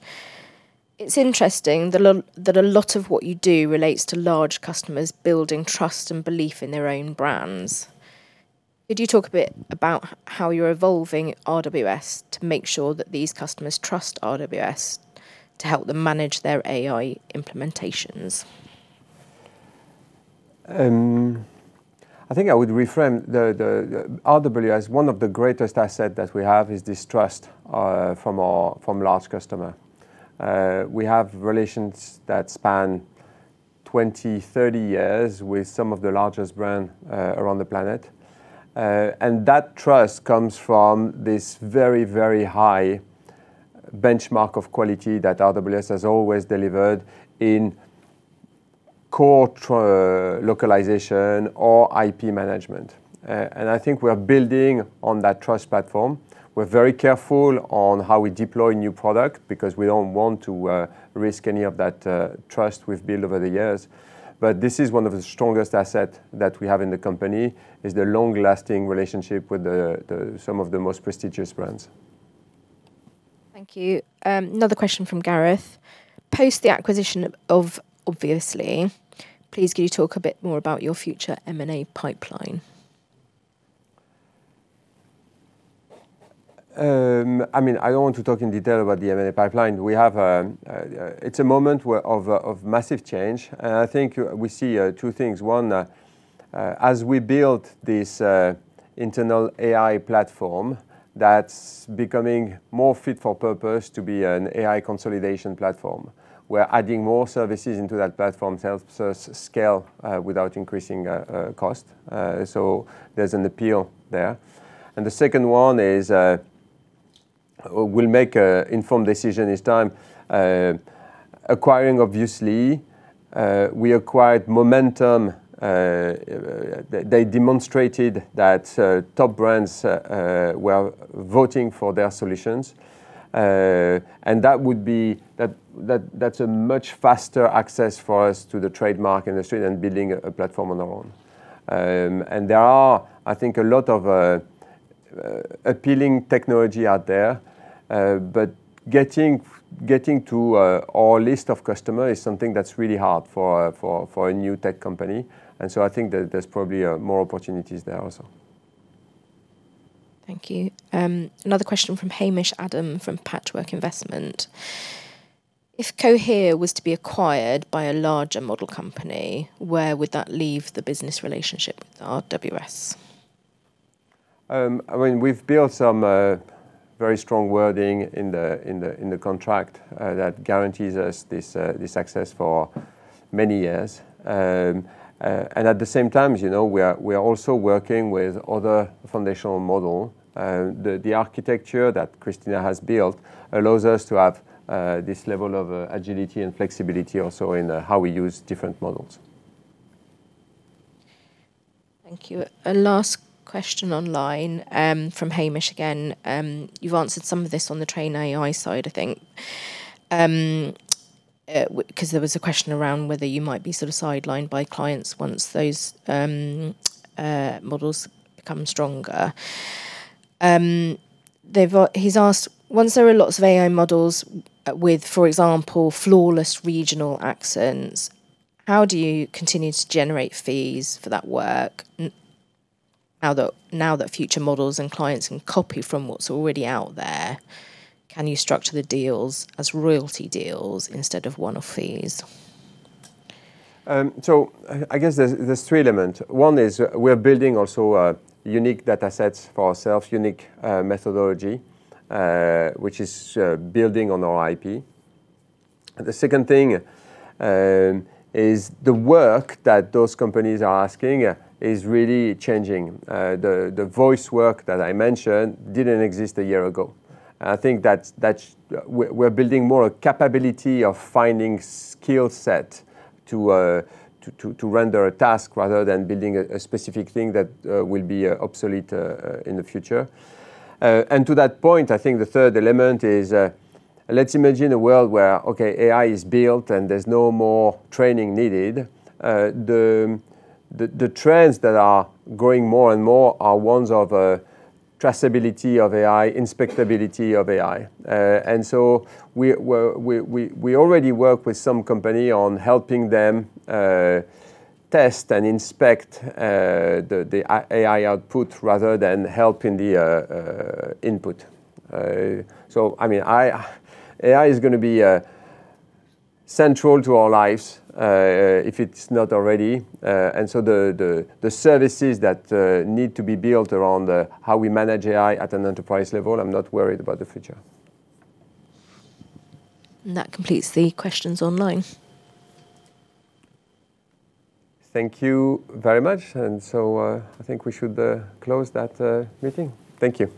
S9: It's interesting that a lot of what you do relates to large customers building trust and belief in their own brands. Could you talk a bit about how you're evolving RWS to make sure that these customers trust RWS to help them manage their AI implementations?
S1: I think I would reframe. RWS, one of the greatest assets that we have is this trust from large customers. We have relations that span 20, 30 years with some of the largest brands around the planet. That trust comes from this very, very high benchmark of quality that RWS has always delivered in core localization or IP management. I think we are building on that trust platform. We are very careful on how we deploy new product because we do not want to risk any of that trust we have built over the years. This is one of the strongest assets that we have in the company, is the long-lasting relationship with some of the most prestigious brands.
S9: Thank you. Another question from Gareth. Post the acquisition of Obviously, please could you talk a bit more about your future M&A pipeline?
S1: I do not want to talk in detail about the M&A pipeline. It is a moment of massive change. I think we see two things. One, as we build this internal AI platform, that is becoming more fit for purpose to be an AI consolidation platform. We are adding more services into that platform to help us scale without increasing cost. There is an appeal there. The second one is, we will make an informed decision this time. Acquiring Obviously, we acquired momentum. They demonstrated that top brands were voting for their solutions. That is a much faster access for us to the trademark industry than building a platform on our own. There are, I think, a lot of appealing technology out there. Getting to our list of customers is something that is really hard for a new tech company. I think that there is probably more opportunities there also.
S9: Thank you. Another question from Hamish Adam from Patchwork Investment. If Cohere was to be acquired by a larger model company, where would that leave the business relationship with RWS?
S1: We've built some very strong wording in the contract that guarantees us this success for many years. At the same time, we are also working with other foundational model. The architecture that Christina has built allows us to have this level of agility and flexibility also in how we use different models.
S9: Thank you. A last question online, from Hamish again. You've answered some of this on the TrainAI side, I think. There was a question around whether you might be sort of sidelined by clients once those models become stronger. He's asked, once there are lots of AI models with, for example, flawless regional accents, how do you continue to generate fees for that work now that future models and clients can copy from what's already out there? Can you structure the deals as royalty deals instead of one-off fees?
S1: I guess there's three element. One is we are building also a unique data sets for ourselves, unique methodology, which is building on our IP. The second thing is the work that those companies are asking is really changing. The voice work that I mentioned didn't exist a year ago. I think that we're building more a capability of finding skill set to render a task rather than building a specific thing that will be obsolete in the future. To that point, I think the third element is, let's imagine a world where, okay, AI is built and there's no more training needed. The trends that are growing more and more are ones of traceability of AI, inspectability of AI. We already work with some company on helping them test and inspect the AI output rather than help in the input. AI is going to be central to our lives, if it's not already. The services that need to be built around how we manage AI at an enterprise level, I'm not worried about the future.
S9: That completes the questions online.
S1: Thank you very much. I think we should close that meeting. Thank you